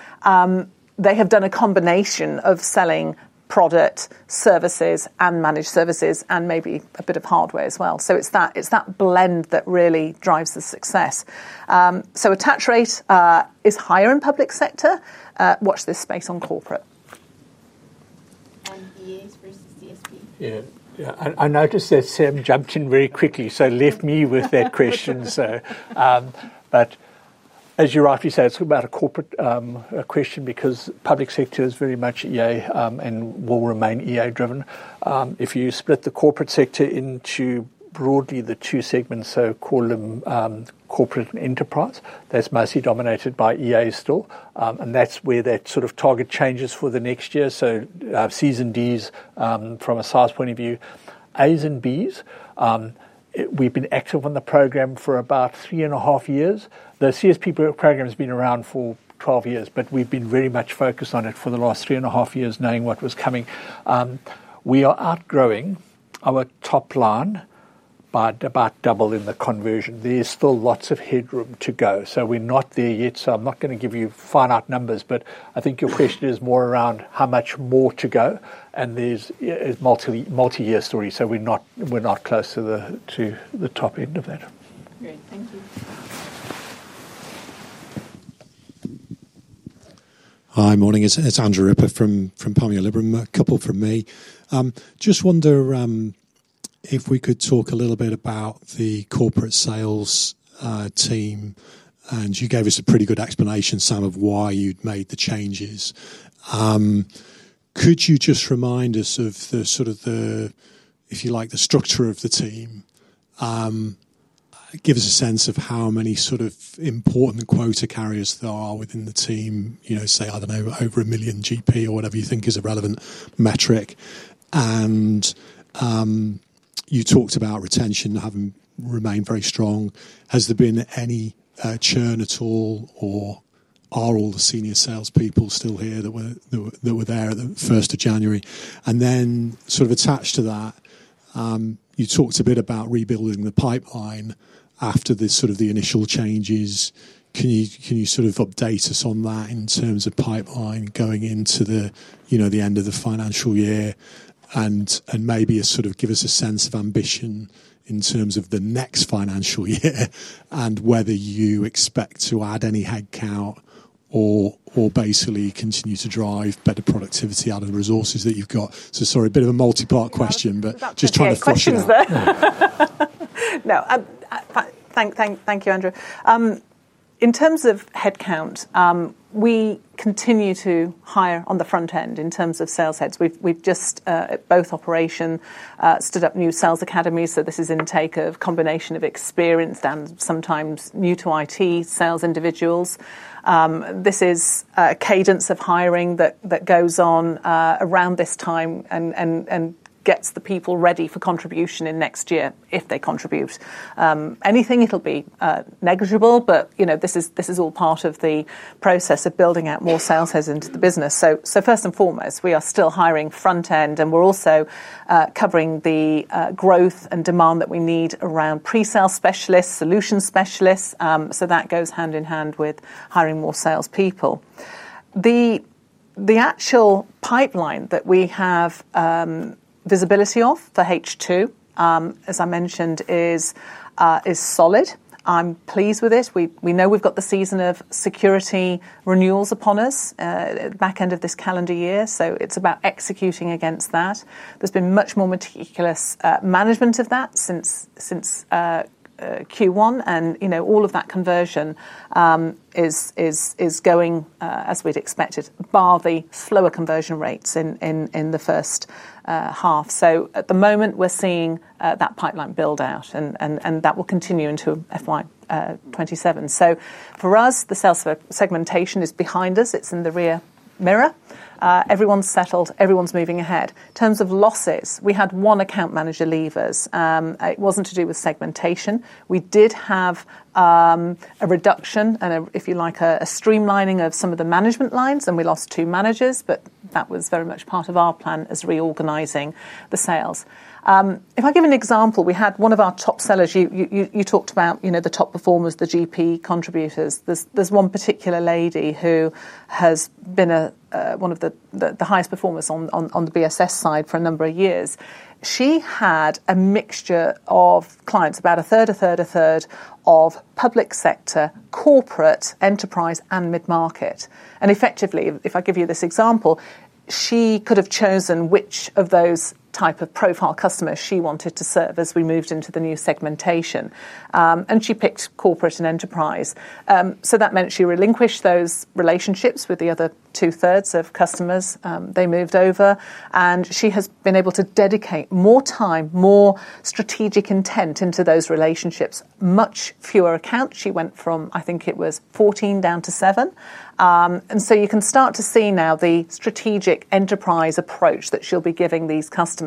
they have done a combination of selling product services and managed services and maybe a bit of hardware as well. It's that blend that really drives the success. Attach rate is higher in public sector. Watch this space on corporate. Cloud Solution Provider model. Yeah, I noticed that Sam jumped in very quickly, so left me with that question. As you rightly say, it's about a corporate question because public sector is very much Enterprise Agreements and will remain Enterprise Agreements driven. If you split the corporate sector into broadly the two segments, call them corporate and enterprise, that's mostly dominated by Enterprise Agreements too, and that's where that sort of target changes for the next year. So Cs and Ds from a SaaS point of view. As and Bs, we've been active on the program for about three and a half years. The Cloud Solution Provider model has been around for 12 years, but we've been very much focused on it for the last three and a half years, knowing what was coming. We are outgrowing our top line by about double in the conversion there. There's still lots of headroom to go, so we're not there yet. I'm not going to give you finite numbers, but I think your question is more around how much more to go, and there's a multi, multi-year story, so we're not close to the top end of that. Great, thank you. Hi, morning, it's Andrew Ripper from Palmio Librum. A couple from me. Just wondering if we could talk a little bit about the corporate sales team. You gave us a pretty good explanation of why you'd made the changes. Could you just remind us of the structure of the team, give us a sense of how many important quota carriers there are within the team? You know, say, I don't know, over £1 million GP or whatever you think is a relevant metric. You talked about retention having remained very strong. Has there been any churn at all or are all the senior salespeople still here that were there at the first of January? Attached to that, you talked a bit about rebuilding the pipeline after the initial changes. Can you update us on that in terms of pipeline going into the end of the financial year and maybe give us a sense of ambition in terms of the next financial year and whether you expect to add any headcount or basically continue to drive better productivity out of the resources that you've got? Sorry, a bit of a multi-part question, but just trying to get the questions there. No, thanks. Thank you, Andrew. In terms of headcount, we continue to hire on the front end. In terms of sales heads, we've just both operations stood up new sales academies. This is intake of a combination of experienced and sometimes new-to-IT sales individuals. This is a cadence of hiring that goes on around this time and gets the people ready for contribution in next year. If they contribute anything, it'll be negligible. This is all part of the process of building out more sales heads into the business. First and foremost, we are still hiring front end, and we're also covering the growth and demand that we need around pre-sales specialists, solutions specialists. That goes hand in hand with hiring more salespeople. The actual pipeline that we have visibility of for H2, as I mentioned, is solid. I'm pleased with it. We know we've got the season of security renewals upon us back end of this calendar year. It's about executing against that. There's been much more meticulous management of that since Q1, and all of that conversion is going as we'd expected, bar the slower conversion rates in the first half. At the moment, we're seeing that pipeline build out, and that will continue into FY2027. For us, the sales segmentation is behind us, it's in the rear mirror. Everyone's settled, everyone's moving ahead. In terms of losses, we had one account manager leave us. It wasn't to do with segmentation. We did have a reduction and, if you like, a streamlining of some of the management lines, and we lost two managers. That was very much part of our plan as reorganizing the sales. If I give an example, we had one of our top sellers, you talked about the top performers, the GP contributors. There's one particular lady who has been one of the highest performers on the BSS side for a number of years. She had a mixture of clients, about a third, a third, a third of public sector, corporate enterprise, and mid-market. Effectively, if I give you this example, she could have chosen which of those type of profile customers she wanted to serve as we moved into the new segmentation, and she picked corporate and enterprise. That meant she relinquished those relationships with the other 2/3 of customers; they moved over. She has been able to dedicate more time, more strategic intent into those relationships. Much fewer accounts. She went from, I think it was 14 down to 7. You can start to see now the strategic enterprise approach that she'll be giving these customers.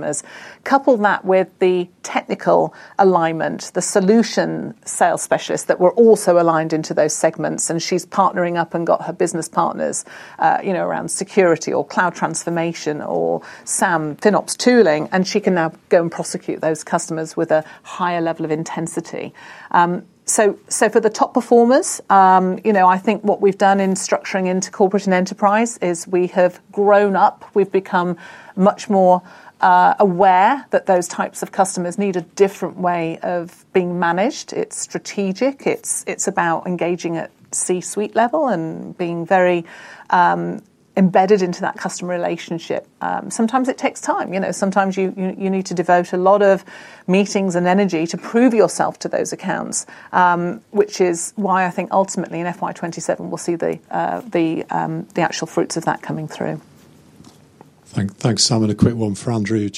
Couple that with the technical alignment, the solutions sales specialists that were also aligned into those segments, and she's partnering up and got her business partners around security or cloud transformation or Sam Finops tooling, and she can now go and prosecute those customers with a higher level of intensity. For the top performers, I think what we've done in structuring into corporate and enterprise is we have grown up, we've become much more aware that those types of customers need a different way of being managed. It's strategic. It's about engaging at C-suite level and being very embedded into that customer relationship. Sometimes it takes time, sometimes you need to devote a lot of meetings and energy to prove yourself to those accounts, which is why I think ultimately in FY2027 we'll see the actual fruits of that coming through. Thanks, Sam. A quick one for Andrew.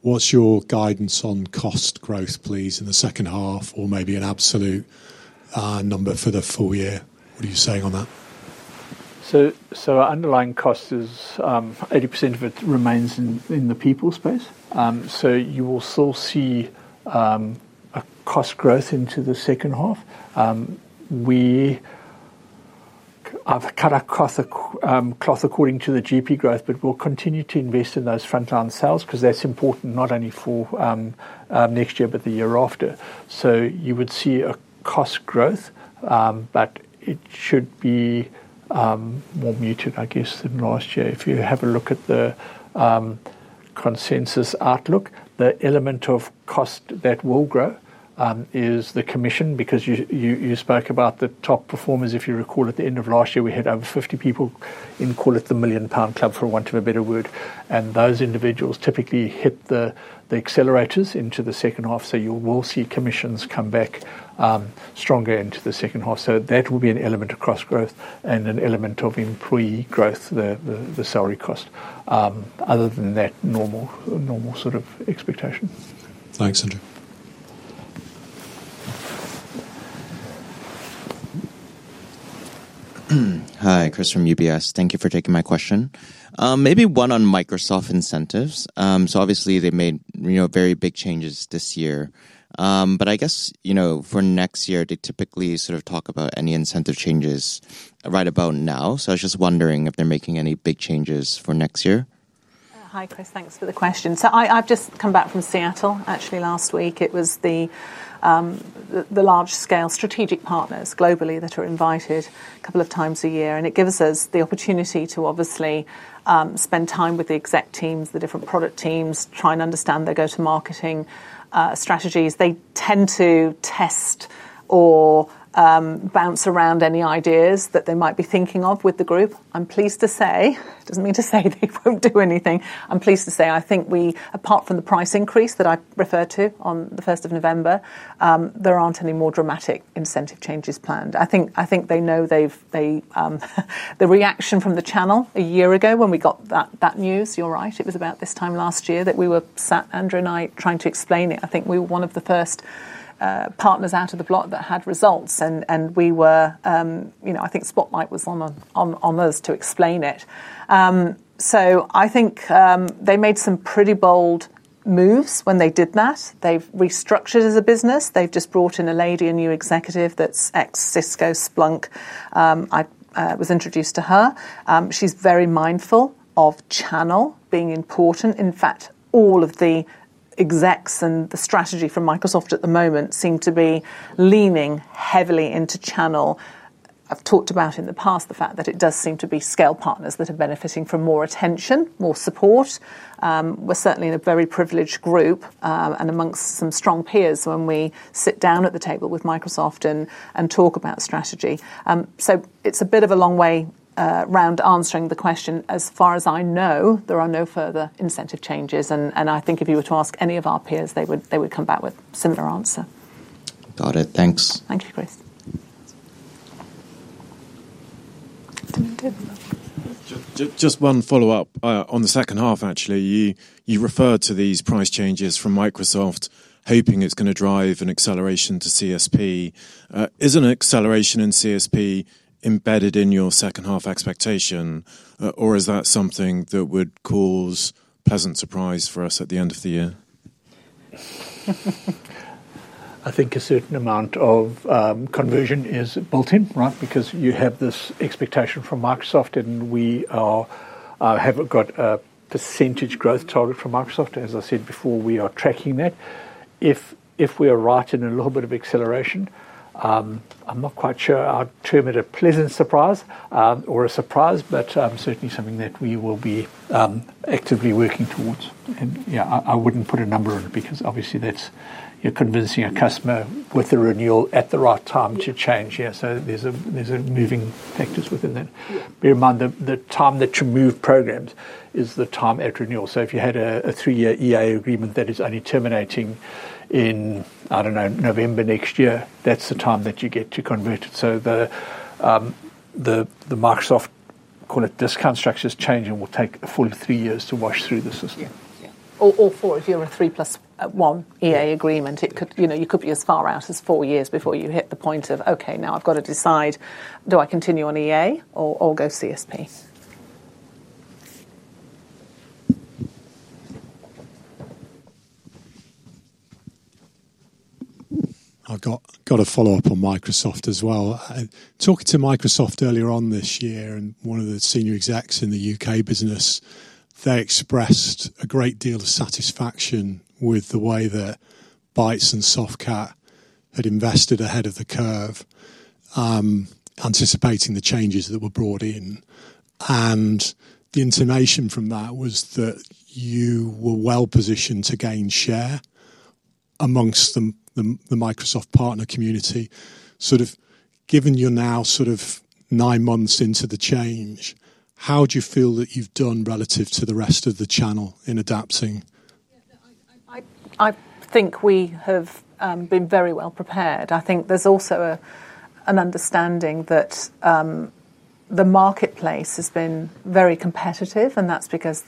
What's your guidance on cost growth, please, in the second half or maybe an absolute number for the full year? What are you saying on that? Our underlying cost is 80% of it remains in the people space. You will still see a cost growth into the second half. We. I've cut a cloth according to the GP growth, but we'll continue to invest in those frontline sales because that's important not only for next year but the year after. You would see a cost growth, but it should be more muted, I guess, than last year. If you have a look at the consensus outlook, the elements of cost that will grow is the commission because you spoke about the top performers. If you recall, at the end of last year, we had over 50 people in, call it, the million pound club for want of a better word. Those individuals typically hit the accelerators into the second half. You will see commissions come back stronger into the second half. That will be an element across growth and an element of employee growth, the salary cost, other than that normal sort of expectation. Thanks, Andrew. Hi Chris from UBS. Thank you for taking my question. Maybe one on Microsoft incentives. Obviously they made very big changes this year, but I guess for next year they typically sort of talk about any incentive changes right about now. I was just wondering if they're making any big changes for next year. Hi Chris, thanks for the question. I've just come back from Seattle actually last week. It was the large-scale strategic partners globally that are invited a couple of times a year, and it gives us the opportunity to spend time with the exec teams, the different product teams, try and understand their go-to-market strategies. They tend to test or bounce around any ideas that they might be thinking of with the group. I'm pleased to say, it doesn't mean to say they won't do anything, but I'm pleased to say I think we, apart from the price increase that I referred to on the 1st of November, there aren't any more dramatic incentive changes planned. I think they know the reaction from the channel a year ago when we got that news. You're right, it was about this time last year that we were sat, Andrew and I, trying to explain it. I think we were one of the first partners out of the block that had results, and the spotlight was on us to explain it. I think they made some pretty bold moves when they did that. They've restructured as a business. They've just brought in a lady, a new executive that's ex-Cisco, Splunk. I was introduced to her. She's very mindful of channel being important. In fact, all of the execs and the strategy from Microsoft at the moment seem to be leaning heavily into channel. I've talked about in the past the fact that it does seem to be scale partners that are benefiting from more attention, more support. We're certainly in a very privileged group and amongst some strong peers when we sit down at the table with Microsoft and talk about strategy. It's a bit of a long way round answering the question. As far as I know, there are no further incentive changes, and I think if you were to ask any of our peers, they would come back with a similar answer. Got it. Thanks. Thank you, Chris. Just one follow-up on the second half. Actually, you referred to these price changes from Microsoft, hoping it's going to drive an acceleration to CSP. Is an acceleration in CSP embedded in your second half expectation, or is that something that would cause a pleasant surprise for us at the end of the year? I think a certain amount of conversion is built in, right, because you have this expectation from Microsoft and we haven't got % growth target from Microsoft. As I said before, we are tracking that. If we are right in a little bit of acceleration, I'm not quite sure I'd term it a pleasant surprise or a surprise, but certainly something that we will be actively working towards. Yeah, I wouldn't put a number on it because obviously that's you're convincing a customer with the renewal at the right time to change. There's moving factors within that. Bear in mind the time that you move programs is the time at renewal. If you had a three-year Enterprise Agreement that is only terminating in, I don't know, November next year, that's the time that you get to convert it. The Microsoft call it discount structures changing will take a full three years to wash through the system or four. If you're a three plus one Enterprise Agreement, it could, you know, you could be as far out as four years before you hit the point of, okay, now I've got to decide, do I continue on Enterprise Agreement or go Cloud Solution Provider? I've got a follow up on Microsoft as well. Talking to Microsoft earlier on this year and one of the Senior Execs in the UK business, they expressed a great deal of satisfaction with the way that Bytes and Softcat had invested ahead of the curve, anticipating the changes that were brought in. The intimation from that was that you were well positioned to gain share amongst the Microsoft partner community. Given you're now sort of nine months into the change, how do you feel that you've done relative to the rest of the channel in adapting? I think we have been very well prepared. I think there's also an understanding that the marketplace has been very competitive, and that's because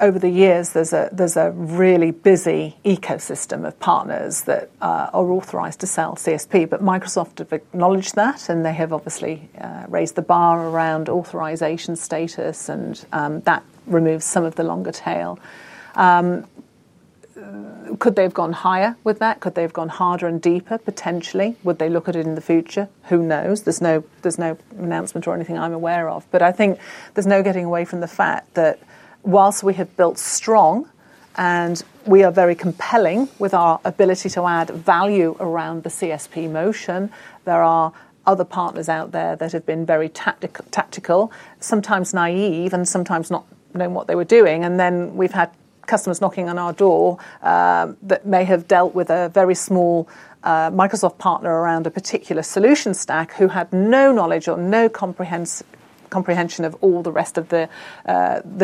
over the years there's a really busy ecosystem of partners that are authorized to sell CSP. Microsoft have acknowledged that, and they have obviously raised the bar around authorization status, and that removes some of the longer tail. Could they have gone higher with that? Could they have gone harder and deeper potentially? Would they look at it in the future? Who knows? There's no announcement or anything I'm aware of, but I think there's no getting away from the fact that whilst we have built strong and we are very compelling with our ability to add value around the CSP, there are other partners out there that have been very tactical, sometimes naive, and sometimes not knowing what they were doing. We've had customers knocking on our door that may have dealt with a very small Microsoft partner around a particular solution stack who had no knowledge or no comprehension of all the rest of the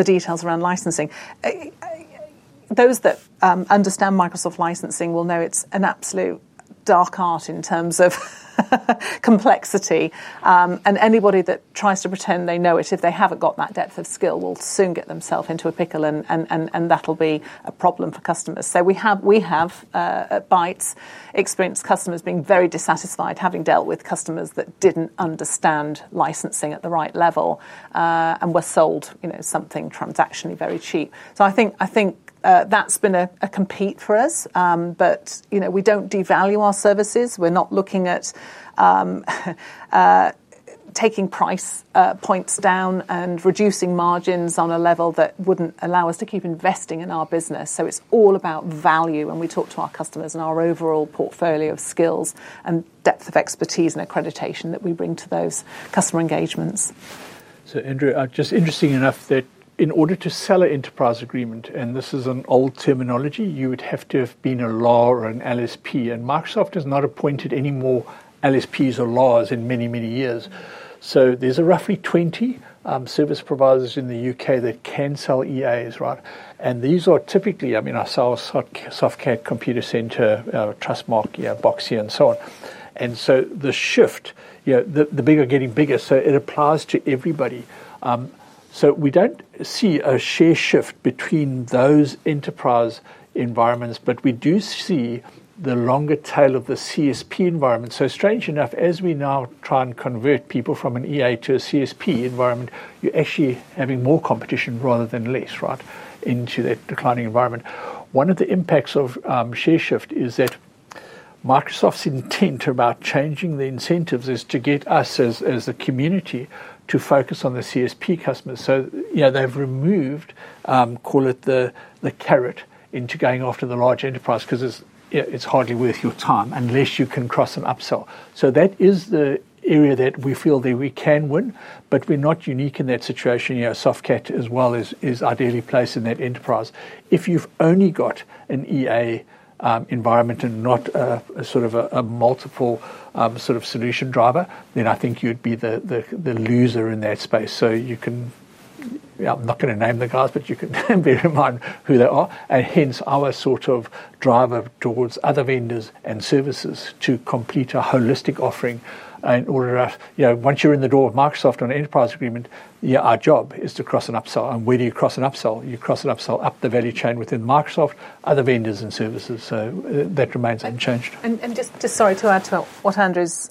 details around licensing. Those that understand Microsoft licensing will know it's an absolute dark art in terms of complexity, and anybody that tries to pretend they know it, if they haven't got that depth of skill, will soon get themselves into a pickle, and that'll be a problem for customers. We at Bytes Technology Group have experienced customers being very dissatisfied having dealt with partners that didn't understand licensing at the right level and were sold, you know, something transactionally very cheap. I think that's been a compete for us. We don't devalue our services. We're not looking at taking price points down and reducing margins on a level that wouldn't allow us to keep investing in our business. It's all about value when we talk to our customers and our overall portfolio of skills and depth of expertise and accreditation that we bring to those customer engagements. Andrew, just interesting enough that in order to sell an Enterprise Agreement, and this is an old terminology, you would have to have been a LAR or an LSP. Microsoft has not appointed any more LSPs or LARs in many, many years. There are roughly 20 service providers in the UK that can sell EAs and these are typically, I mean I sell Softcat, Computacenter, Trustmarque, Boxxe and so on. The shift is the bigger getting bigger. It applies to everybody. We do not see a share shift between those enterprise environments, but we do see the longer tail of the Cloud Solution Provider (CSP) environment. Strangely enough, as we now try and convert people from an EA to a CSP environment, you are actually having more competition rather than less right into that declining environment. One of the impacts of share shift is that Microsoft's intent about changing the incentives is to get us as a community to focus on the CSP customers. They have removed, call it the carrot, into going after the large enterprise because it is hardly worth your time unless you can cross and upsell. That is the area that we feel that we can work, but we are not unique in that situation. Softcat as well is ideally placed in that enterprise. If you have only got an EA environment and not a multiple sort of solution driver, then I think you would be the loser in that space. I am not going to name the guys, but you can bear in mind who they are and hence our sort of driver towards other vendors and services to complete a holistic offering in order. Once you are in the door of Microsoft on an Enterprise Agreement, our job is to cross and upsell. Where do you cross and upsell? You cross and upsell up the value chain within Microsoft, other vendors and services. That remains unchanged. Sorry to add to what Andrew's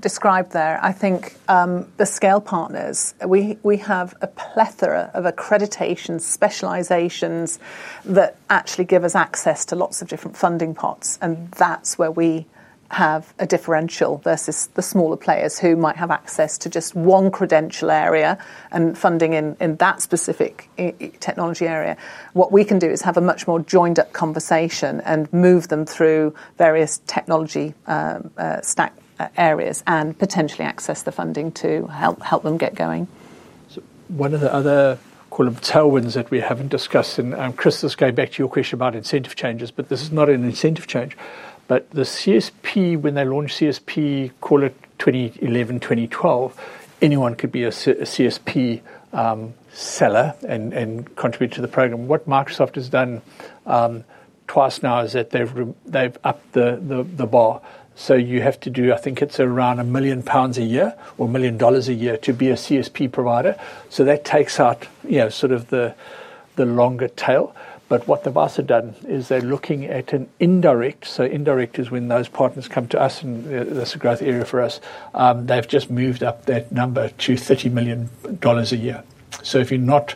described there, I think the scale partners, we have a plethora of accreditation specializations that actually give us access to lots of different funding pots, and that's where we have a differential versus the smaller players who might have access to just one credential area and funding in that specific technology area. What we can do is have a much more joined up conversation and move them through various technology stack areas and potentially access the funding to help them get going. One of the other tailwinds that we haven't discussed, and Chris, going back to your question about incentive changes, this is not an incentive change, but the Cloud Solution Provider (CSP) model, when they launched CSP, call it 2011, 2012, anyone could be a CSP seller and contribute to the program. What Microsoft has done twice now is that they've upped the bar. You have to do, I think it's around £1 million a year or $1 million a year to be a CSP provider. That takes out, you know, sort of the longer tail. What Microsoft have done is they're looking at an indirect. Indirect is when those partners come to us, and that's a growth area for us. They've just moved up that number to $30 million a year. If you're not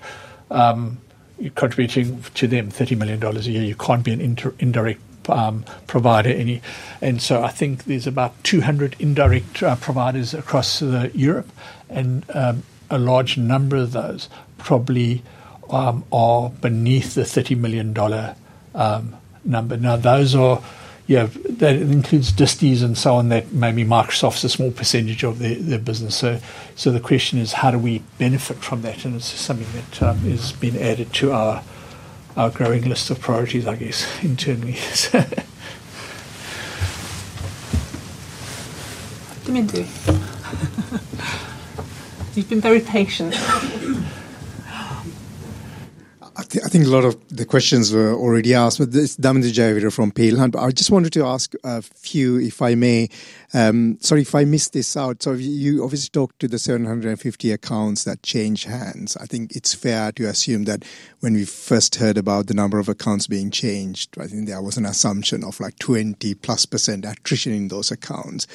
contributing to them $30 million a year, you can't be an indirect provider in your region. I think there's about 200 indirect providers across Europe, and a large number of those probably are beneath the $30 million number now. Those are, you have, that includes DIS and so on, that maybe Microsoft's a small percentage of their business. The question is, how do we benefit from that? It's something that has been added to our growing list of priorities, I guess, in Germany. Dimitri, you've been very patient. I think a lot of the questions were already asked. This is Daman Dejayavira from Peel Hunt. I just wanted to ask a few, if I may. Sorry if I missed this out. You obviously talked to the 750 accounts that change hands. I think it's fair to assume that when we first heard about the number of accounts being changed, there was an assumption of like 20% plus attrition in those accounts.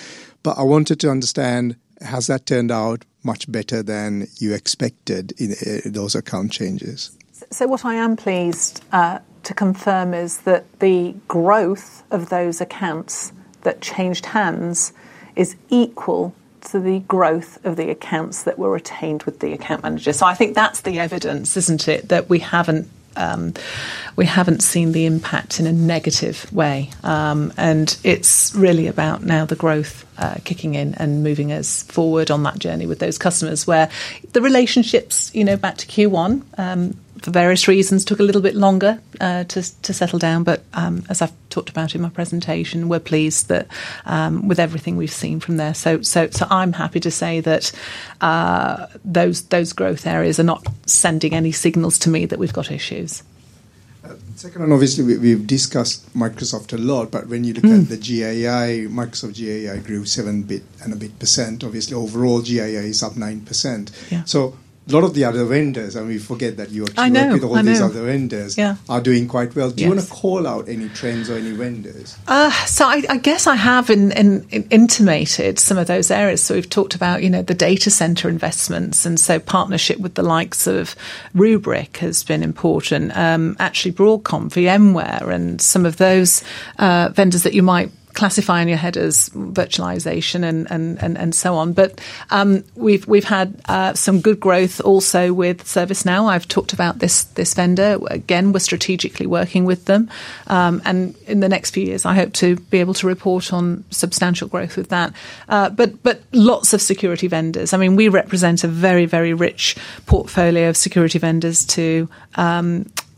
I wanted to understand, has that turned out much better than you expected in those account changes? What I am pleased to confirm is that the growth of those accounts that changed hands is equal to the growth of the accounts that were retained with the account manager. I think that's the evidence, isn't it, that we haven't seen the impact in a negative way. It's really about now the growth kicking in and moving us forward on that journey with those customers where the relationships, you know, back to Q1 for various reasons, took a little bit longer to settle down. As I've talked about in my presentation, we're pleased with everything we've seen from there. I'm happy to say that those growth areas are not sending any signals to me that we've got issues. Second one, obviously we've discussed Microsoft a lot, but when you look at the GAI, Microsoft GAI grew 7% and a bit, obviously. Overall GIA is up 9%. A lot of the other vendors, and we forget that the other vendors are doing quite well. Do you want to call out any trends or any vendors? I guess I have intimated some of those areas. We've talked about the data center investments and partnership with the likes of Rubrik has been important. Actually, Broadcom, VMware, and some of those vendors that you might classify in your head as virtualization and so on. We've had some good growth also with some ServiceNow. I've talked about this vendor again, we're strategically working with them and in the next few years I hope to be able to report on substantial growth with that. Lots of security vendors, I mean we represent a very, very rich portfolio of security vendors to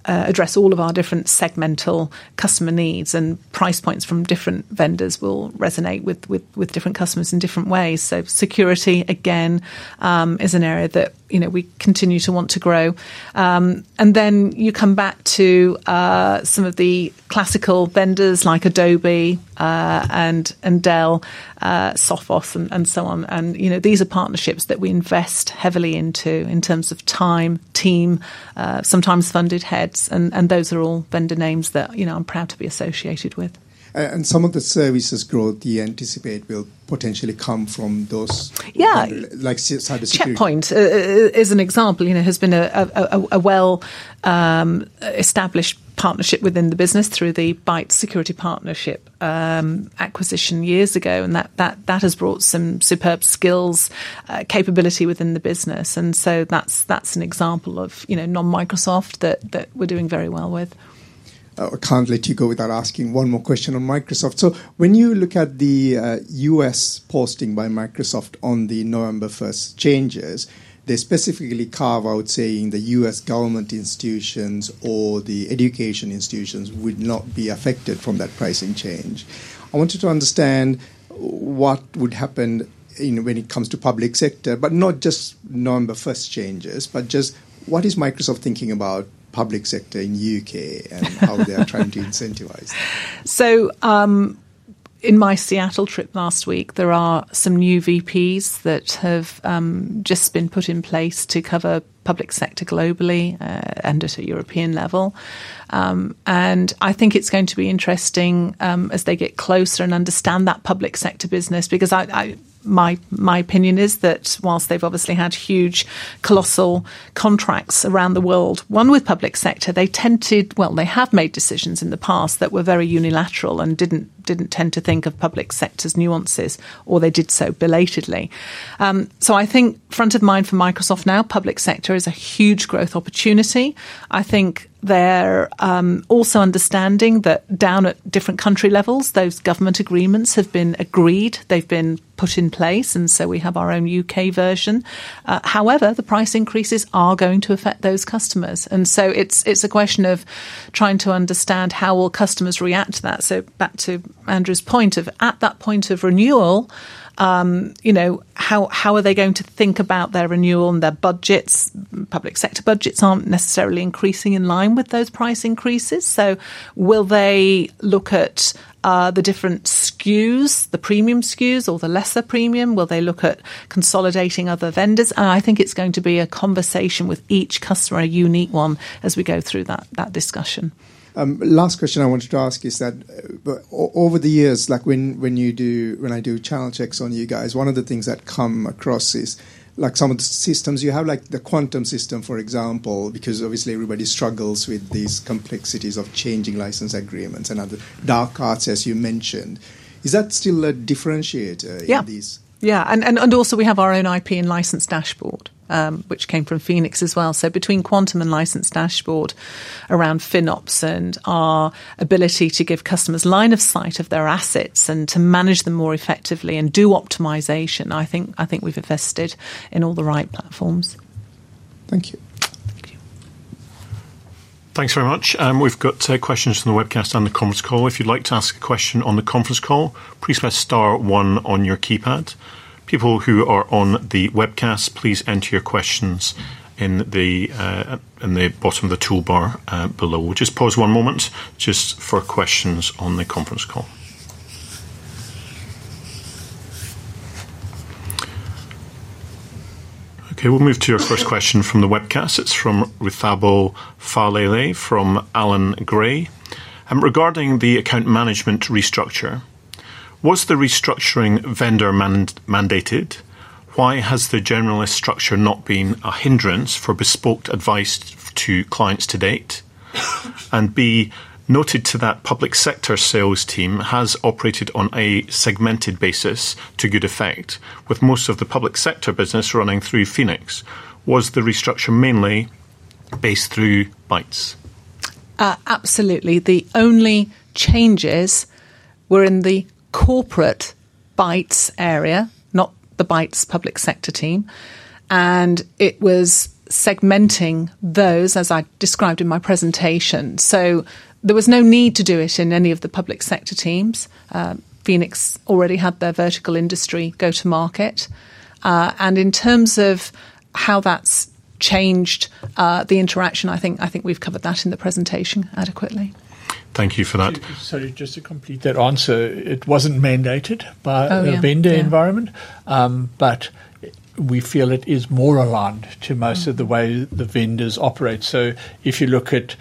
address all of our different segmental customer needs, and price points from different vendors will resonate with different customers in different ways. Security again is an area that we continue to want to grow. You come back to some of the classical vendors like Adobe and Dell, Sophos, and so on. These are partnerships that we invest heavily into in terms of time, team, sometimes funded heads, and those are all vendor names that I'm proud to be associated with. Some of the services growth you anticipate will potentially come from those. Cybersecurity Check Point is an example. You know, has been a well-established partnership within the business through the Bytes Security partnership acquisition years ago, and that has brought some superb skills capability within the business. That's an example of, you know, non-Microsoft that we're doing very well with. I can't let you go without asking one more question on Microsoft. When you look at the U.S. posting by Microsoft on the November 1st changes, they specifically carve out saying the U.S. government institutions or the education institutions would not be affected from that pricing change. I wanted to understand what would happen when it comes to public sector, not just November 1st changes, but just what is Microsoft thinking about public sector in the UK and how they are trying to incentivize. In my Seattle trip last week, there are some new VPs that have just been put in place to cover public sector globally and at a European level. I think it's going to be interesting as they get closer and understand that public sector business because my opinion is that whilst they've obviously had huge colossal contracts around the world, with public sector they tend to, well, they have made decisions in the past that were very unilateral and didn't tend to think of public sector's nuances or they did so belatedly. I think front of mind for Microsoft now, public sector is a huge growth opportunity. I think they're also understanding that down at different country levels, those government agreements have been agreed, they've been put in place and we have our own UK version. However, the price increases are going to affect those customers. It's a question of trying to understand how will customers react to that. Back to Andrew's point of at that point of renewal, how are they going to think about their renewal and their budgets? Public sector budgets aren't necessarily increasing in line with those price increases. Will they look at the different SKUs, the premium SKUs or the lesser premium? Will they look at consolidating other vendors? I think it's going to be a conversation with each customer, a unique one, as we go through that discussion. Last question I wanted to ask is that over the years, when I do channel checks on you guys, one of the things that come across is some of the systems you have, like the Quantum system for example, because obviously everybody struggles with these complexities of changing license agreements and other dark arts, as you mentioned. Is that still a differentiator? We have our own IP and License dashboard, which came from Phoenix as well. Between Quantum and License dashboard, around finops and our ability to give customers line of sight of their assets and to manage them more effectively and do optimization, I think we've invested in all the right platforms. Thank you. Thanks very much. We've got questions from the webcast and the conference call. If you'd like to ask a question on the conference call, please press star one on your keypad. People who are on the webcast, please enter your questions in the bottom of the toolbar below. Just pause one moment for questions on the conference call. Okay, we'll move to your first question from the webcast. It's from Rethabo Falele from Allan Gray regarding the account management restructure. Was the restructuring vendor mandated? Why has the generalist structure not been a hindrance for bespoke advantage advice to clients to date, and be noted that the public sector sales team has operated on a segmented basis to good effect with most of the public sector business running through Phoenix Software. Was the restructure mainly based through Bytes Technology Group? Absolutely. The only changes were in the corporate Bytes area, not the Bytes public sector team. It was segmenting those as I described in my presentation. There was no need to do it in any of the public sector teams. Phoenix Software already had their vertical industry go to market, and in terms of how that's changed the interaction, I think we've covered that in the presentation adequately. Thank you for that. Sorry, just to complete that answer, it wasn't mandated by the vendor environment, but we feel it is more aligned to most of the way the vendors operate. If you look at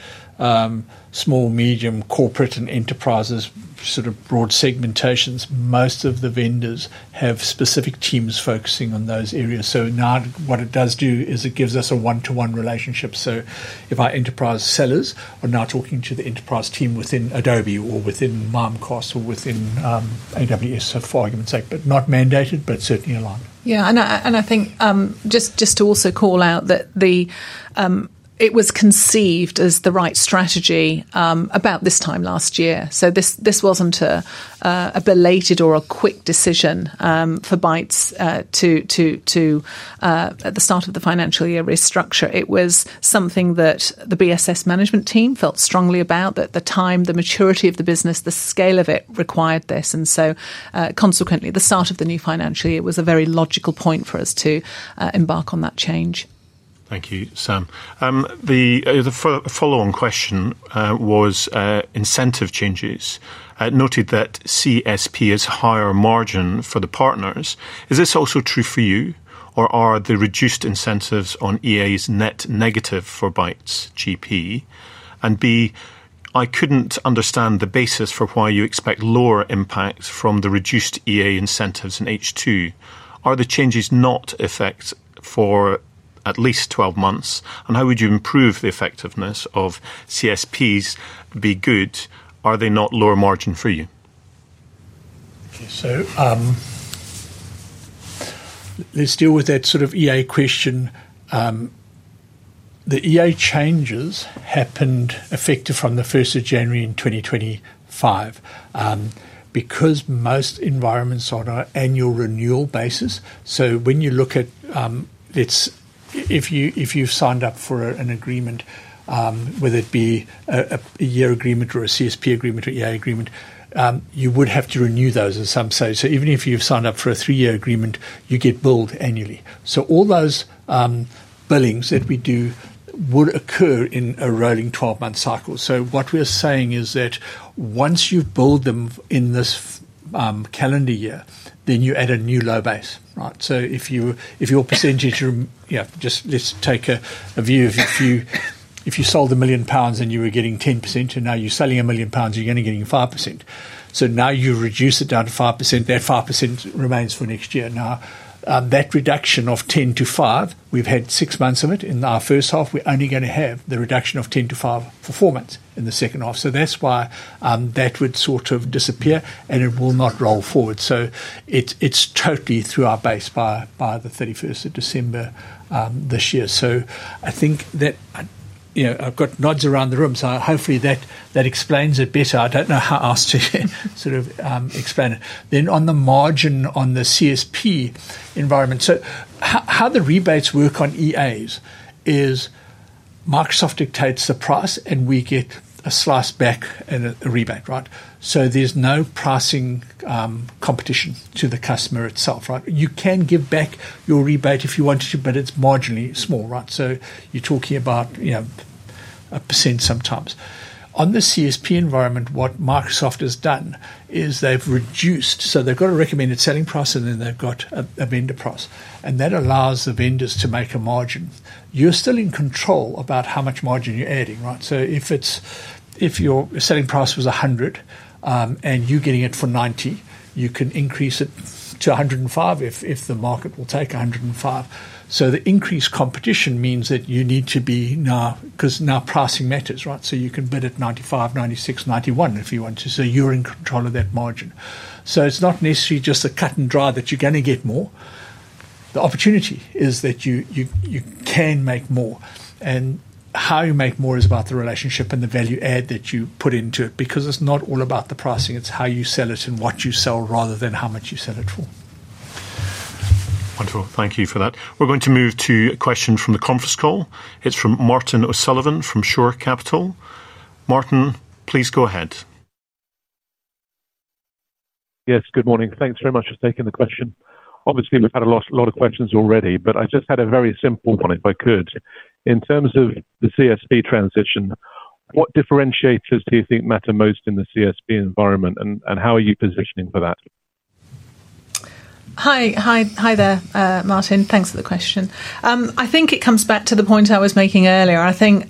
small, medium, corporate, and enterprises, sort of broad segmentations, most of the vendors have specific teams focusing on those areas. What it does do is it gives us a one-to-one relationship. If our enterprise sellers are now talking to the enterprise team within Adobe or within Microsoft or within AWS, for argument's sake, it's not mandated, but certainly aligned. Yeah, I think just to also call out that it was conceived as the right strategy about this time last year. This wasn't a belated or a quick decision for Bytes Technology Group at the start of the first financial year restructure. It was something that the BSS management team felt strongly about at the time, the maturity of the business, the scale of it required this. Consequently, the start of the new financial year was a very logical point for us to embark on that change. Thank you, Sam. The follow-on question was incentive changes noted that CSP is higher margin for the partners. Is this also true for you, or are the reduced incentives on Enterprise Agreements net negative for Bytes gross profit and operating profit? I couldn't understand the basis for why you expect lower impact from the reduced EA incentives in H2. Are the changes not effective for at least 12 months, and how would you improve the effectiveness of CSPs? Are they not lower margin for you? Let's deal with that sort of EA question. The EA changes happened effective from January 1, 2025, because most environments are on an annual renewal basis. When you look at if you've signed up for an agreement, whether it be a year agreement or a Cloud Solution Provider (CSP) agreement or EA agreement, you would have to renew those in some way. Even if you've signed up for a three-year agreement, you get billed annually. All those billings that we do would occur in a rolling 12-month cycle. What we're saying is that once you've billed them in this calendar year, then you add a new low base, right? If your percentage, just let's take a view of if you sold £1 million and you were getting 10% and now you're selling £1 million, you're only getting 5%. Now you reduce it down to 5%. That 5% remains for next year. That reduction of 10% to 5%, we've had six months of it in our first half. We're only going to have the reduction of 10% to 5% for four months in the second half. That's why that would sort of disappear and it will not roll forward. It's totally through our base by December 31 this year. I think that I've got nods around the room. Hopefully that explains it better. I don't know how else to explain it. Then on the margin on the CSP environment, how the rebates work on EAs is Microsoft dictates the price and we get a slice back and a rebate. There's no pricing competition to the customer itself. You can give back your rebate if you wanted to, but it's marginally small. You're talking about, you know, a percent sometimes. On the CSP environment, what Microsoft has done is they've reduced, so they've got a recommended selling price and then they've got a vendor price and that allows the vendors to make a margin. You're still in control about how much margin you're adding. If your selling price was 100 and you're getting it for 90, you can increase it to 105 if the market will take 105. The increased competition means that you need to be now, because now pricing matters. You can bid at 95, 96, 91 if you want to. You're in control of that margin. It's not necessarily just a cut and dry that you're going to get more. The opportunity is that you can make more. How you make more is about the relationship and the value add that you put into it, because it's not all about the pricing. It's how you sell it and what you sell rather than how much you sell it for. Wonderful. Thank you for that. We're going to move to a question from the conference call. It's from Martin O'Sullivan from Sure Capital. Martin, please go ahead. Yes, good morning. Thanks very much for taking the question. Obviously we've had a lot of questions already, but I just had a very simple one if I could. In terms of the Cloud Solution Provider (CSP) transition, what differentiators do you think matter most in the CSP environment, and how are you positioning for that? Hi there, Martin. Thanks for the question. I think it comes back to the point I was making earlier. I think,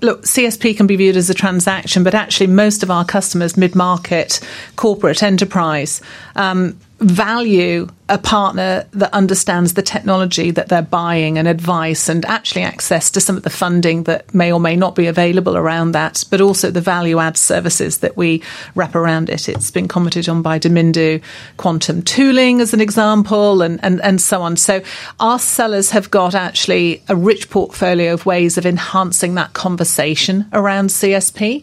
look, CSP can be viewed as a transaction, but actually most of our customers, mid market, corporate, enterprise, value a partner that understands the technology that they're buying and advice and actually access to some of the funding that may or may not be available around that. Also, the value add services that we wrap around it, it's been commented on by Domindo, Quantum Tooling as an example and so on. Our sellers have got actually a rich portfolio of ways of enhancing that conversation around CSP.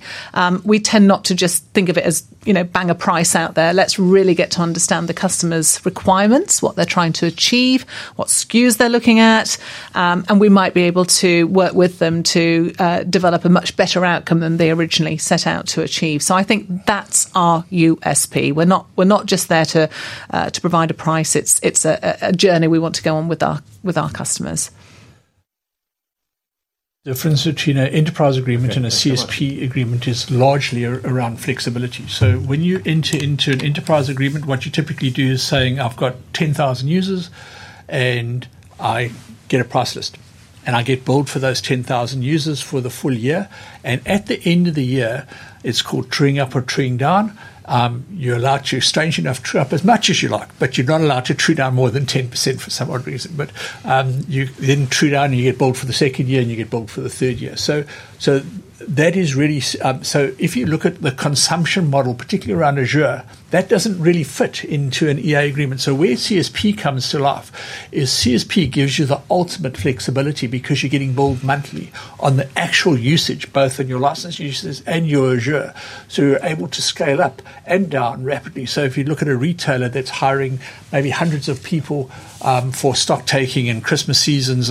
We tend not to just think of it as, you know, bang a price out there. Let's really get to understand the customer's requirements, what they're trying to achieve, what SKUs they're looking at, and we might be able to work with them to develop a much better outcome than they originally set out to achieve. I think that's our USP. We're not just there to provide a price. It's a journey we want to go on with our customers. difference between an Enterprise Agreement and a Cloud Solution Provider (CSP) agreement is largely around flexibility. When you enter into an Enterprise Agreement, what you typically do is say, I've got 10,000 users and I get a price list and I get billed for those 10,000 users for the full year. At the end of the year, it's called truing up or truing down. You're allowed to, strange enough, true up as much as you like, but you're not allowed to true down more than 10% for some odd reason. You then true down and you get billed for the second year and you get billed for the third year. If you look at the consumption model, particularly around Azure, that doesn't really fit into an Enterprise Agreement. Where CSP comes to life is CSP gives you the ultimate flexibility because you're getting billed monthly on the actual usage, both in your license usage and your Azure. You're able to scale up and down rapidly. If you look at a retailer that's hiring maybe hundreds of people for stock taking and Christmas seasons,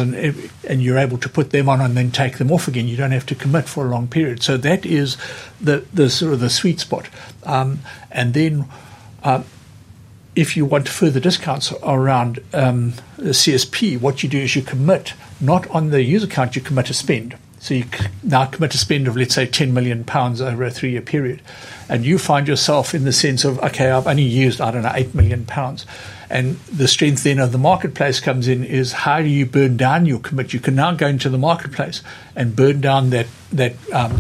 you're able to put them on and then take them off again. You don't have to commit for a long period. That is the sweet spot. If you want further discounts around the CSP, what you do is you commit, not on the user count, you commit a spend. You now commit a spend of, let's say, £10 million over a three-year period and you find yourself in the sense of, okay, I've only used, I don't know, £8 million. The strength then of the marketplace comes in: how do you burn down your commit? You can now go into the marketplace and burn down that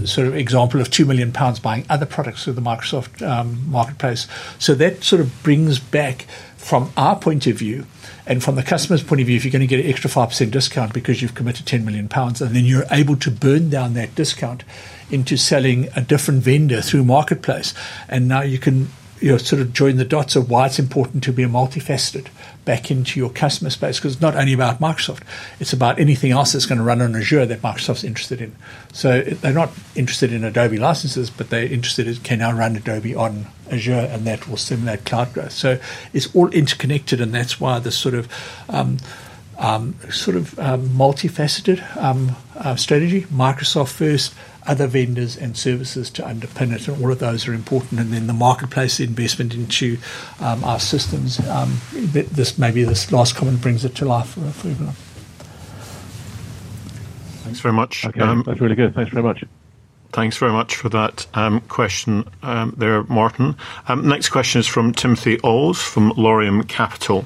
sort of example of £2 million buying other products through the marketplace, Microsoft Marketplace. That sort of brings back from our point of view and from the customer's point of view, if you're going to get an extra 5% discount because you've committed £10 million and then you're able to burn down that discount into selling a different vendor through Marketplace. Now you can sort of join the dots of why it's important to be a multifaceted back into your customer space. It's not only about Microsoft, it's about anything else that's going to run on Azure that Microsoft's interested in. They're not interested in Adobe licenses, but they're interested in can I run Adobe on Azure? That will stimulate cloud growth. It's all interconnected and that's why the sort of multifaceted strategy, Microsoft first, other vendors and services to underpin it, and all of those are important and then the marketplace investment into our systems. This last comment brings us to life. Thanks very much. That's really good. Thanks very much. Thanks very much for that question there, Martin. Next question is from Timothy Oles from Laurium Capital.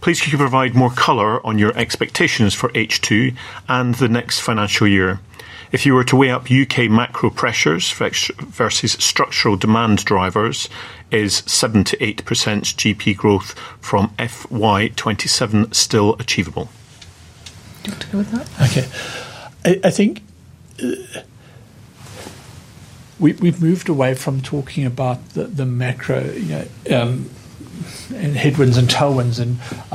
Please could you provide more color on your expectations for H2 and the next financial year if you were to weigh up UK macro pressures versus structural demand drivers. Is 7 to 8% GP growth from FY2027 still achievable? Okay. I think we've moved away from talking about the macro headwinds and tailwinds.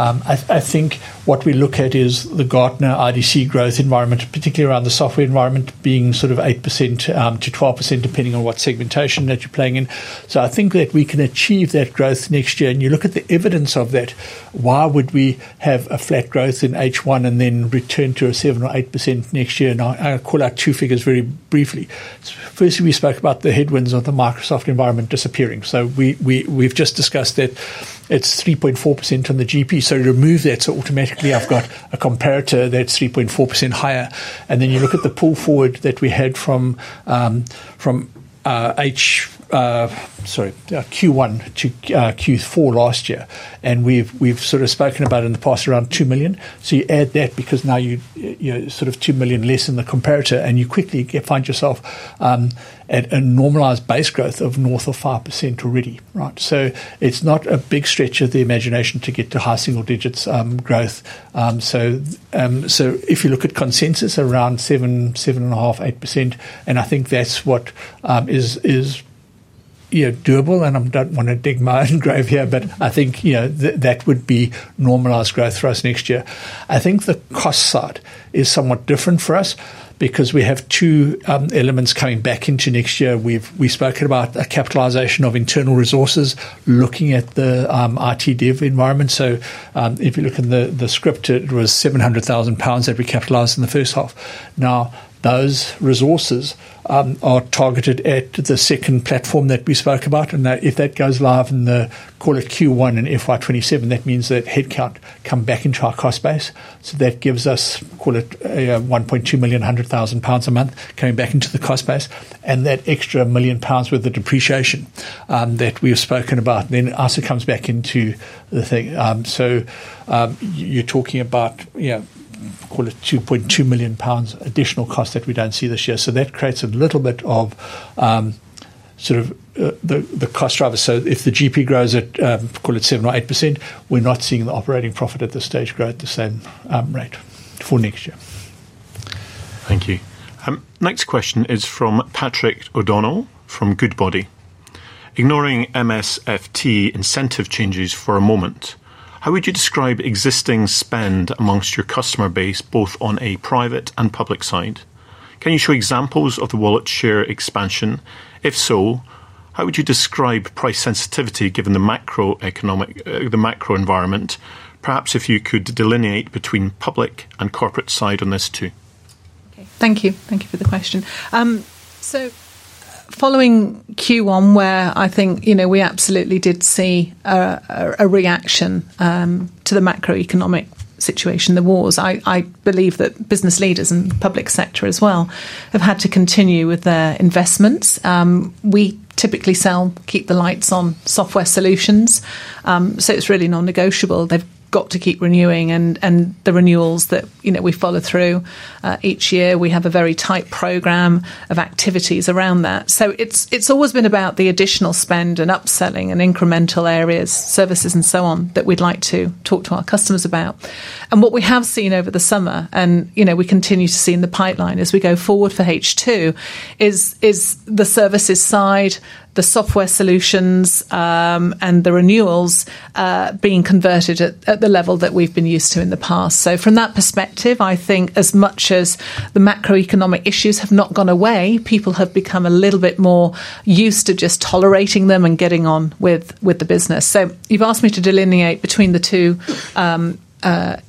I think what we look at is the Gartner IDC growth environment, particularly around the software environment being sort of 8% to 12% depending on what segmentation that you're playing in. I think that we can achieve that growth next year and you look at the evidence of that, why would we have a flat growth in H1 and then return to a 7 or 8% next year? I call out two figures very briefly. First, we spoke about the headwinds of the Microsoft environment disappearing. We've just discussed that it's 3.4% on the gross profit, so remove that. Automatically I've got a comparator that's 3.4% higher. Then you look at the pull forward that we had from Q1 to Q4 last year and we've sort of spoken about in the past around £2 million. You add that because now you're sort of £2 million less in the comparator and you quickly find yourself at a normalized base growth of north of 5% already, right? It's not a big stretch of the imagination to get to high single digits growth. If you look at consensus around 7%, 7.5%, 8% and I think that's what is doable and I don't want to dig my own grave here, but I think that would be normalized growth for us next year. I think the cost side is somewhat different for us because we have two elements coming back into next year. We've spoken about capitalization of internal resources looking at the IT dev environment. If you look in the script it was £700,000 that we capitalized in the first half. Now those resources are targeted at the second platform that we spoke about. If that goes live in, call it Q1 in FY2027, that means that headcount comes back into our cost base. That gives us, call it £1.2 million a month coming back into the cost base and that extra £1 million worth of depreciation that we have spoken about then also comes back into the thing. You're talking about, you know, call it £2.2 million additional cost that we don't see this year. That creates a little bit of sort of the cost driver. If the gross profit grows at, call it 7% or 8%, we're not seeing the operating profit at this stage grow at the same rate for next year. Thank you. Next question is from Patrick O'Donnell from Goodbody. Ignoring Microsoft incentive changes for a moment, how would you describe existing spend amongst your customer base both on a private and public side? Can you show examples of the wallet share expansion? If so, how would you describe price sensitivity given the macroeconomic, the macro environment? Perhaps if you could delineate between public and corporate side on this too. Thank you. Thank you for the question. Following Q1 where I think, you know, we absolutely did see a reaction to the macroeconomic situation, the wars, I believe that business leaders and public sector as well have had to continue with their investment. Investments we typically sell keep the lights on software solutions. It's really non-negotiable. They've got to keep renewing and the renewals that we follow through each year, we have a very tight program of activities around that. It's always been about the additional spend and upselling and incremental areas, services and so on that we'd like to talk to our customers about. What we have seen over the summer and, you know, we continue to see in the pipeline as we go forward for H2 is the services side, the software solutions and the renewals being converted at the level that we've been used to in the past. From that perspective, I think as much as the macroeconomic issues have not gone away, people have become a little bit more used to just tolerating them and getting on with the business. You've asked me to delineate between the two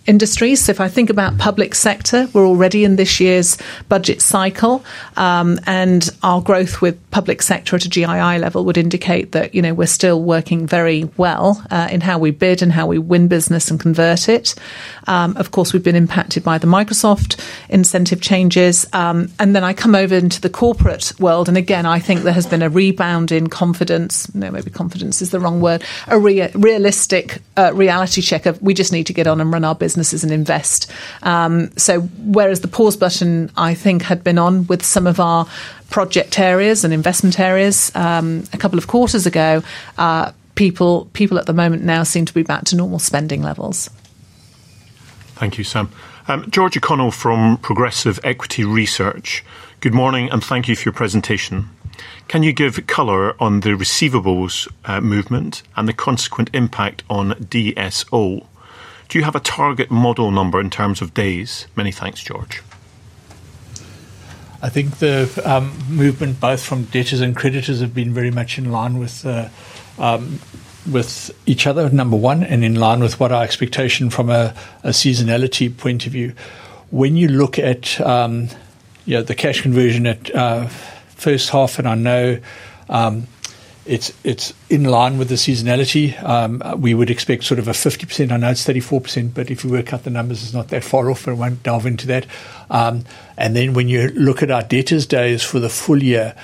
industries. If I think about public sector, we're already in this year's budget cycle and our growth with public sector at a gross invoiced income level would indicate that, you know, we're still working very well in how we bid and how we win business and convert it. Of course, we've been impacted by the Microsoft incentive changes. Then I come over into the corporate world and again I think there has been a rebound in confidence. No, maybe confidence is the wrong word. A realistic reality check of we just need to get on and run our businesses and invest. Whereas the pause button I think had been on with some of our project areas and investment areas a couple of quarters ago, people at the moment now seem to be back to normal spending levels. Thank you, Sam. George O'Connell from Progressive Equity Research, good morning and thank you for your presentation. Can you give color on the receivables movement and the consequent impact on DSO? Do you have a target model number in terms of days? Many thanks, George. I think the movement both from debtors and creditors have been very much in line with each other, number one, and in line with what our expectation from a seasonality point of view. When you look at the cash conversion at first half, and I know it's in line with the seasonality, we would expect sort of a 50%. I know it's 34%, but if you work out the numbers it's not that far off and won't delve into that. When you look at our debtors days for the full year,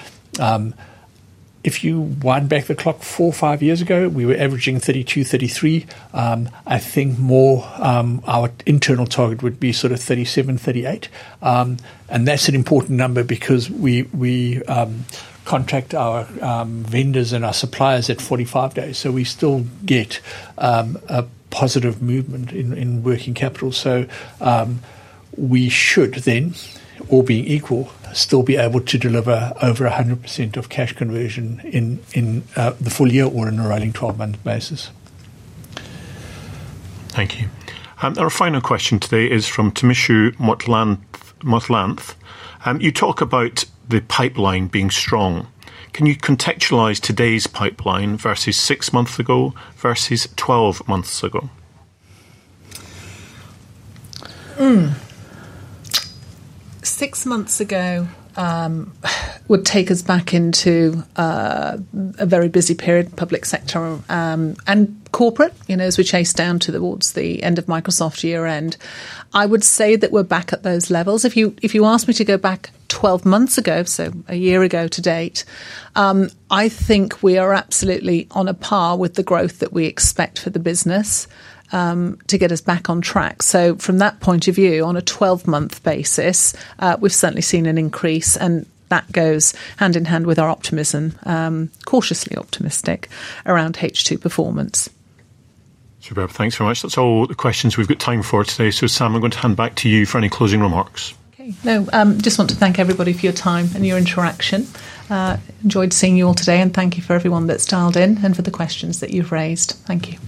if you wind back the clock four or five years ago, we were averaging 32, 33. I think more our internal target would be sort of 37, 38, and that's an important number because we contract our vendors and our suppliers at 45 days, so we still get a positive movement in working capital. We should then, all being equal, still be able to deliver over 100% of cash conversion in the full year or in a rolling 12-month basis. Thank you. Our final question today is from Timishu Motlanth. You talk about the pipeline being strong. Can you contextualize today's pipeline versus six months ago versus twelve months ago? Six months ago would take us back into a very busy period, public sector and corporate. As we chase down towards the end of Microsoft year end, I would say that we're back at those levels. If you ask me to go back 12 months ago, a year ago to date, I think we are absolutely on a par with the growth that we expect for the business to get us back on track. From that point of view, on a 12-month basis, we've certainly seen an increase, and that goes hand in hand with our optimism, cautiously optimistic around H2 performance. Thanks very much. That's all the questions we've got time for today. Sam, I'm going to hand back to you for any closing remarks. Ok. No, just want to thank everybody for your time and your interaction. Enjoyed seeing you all today, and thank you for everyone that's dialed in and for the questions that you've raised. Thank you.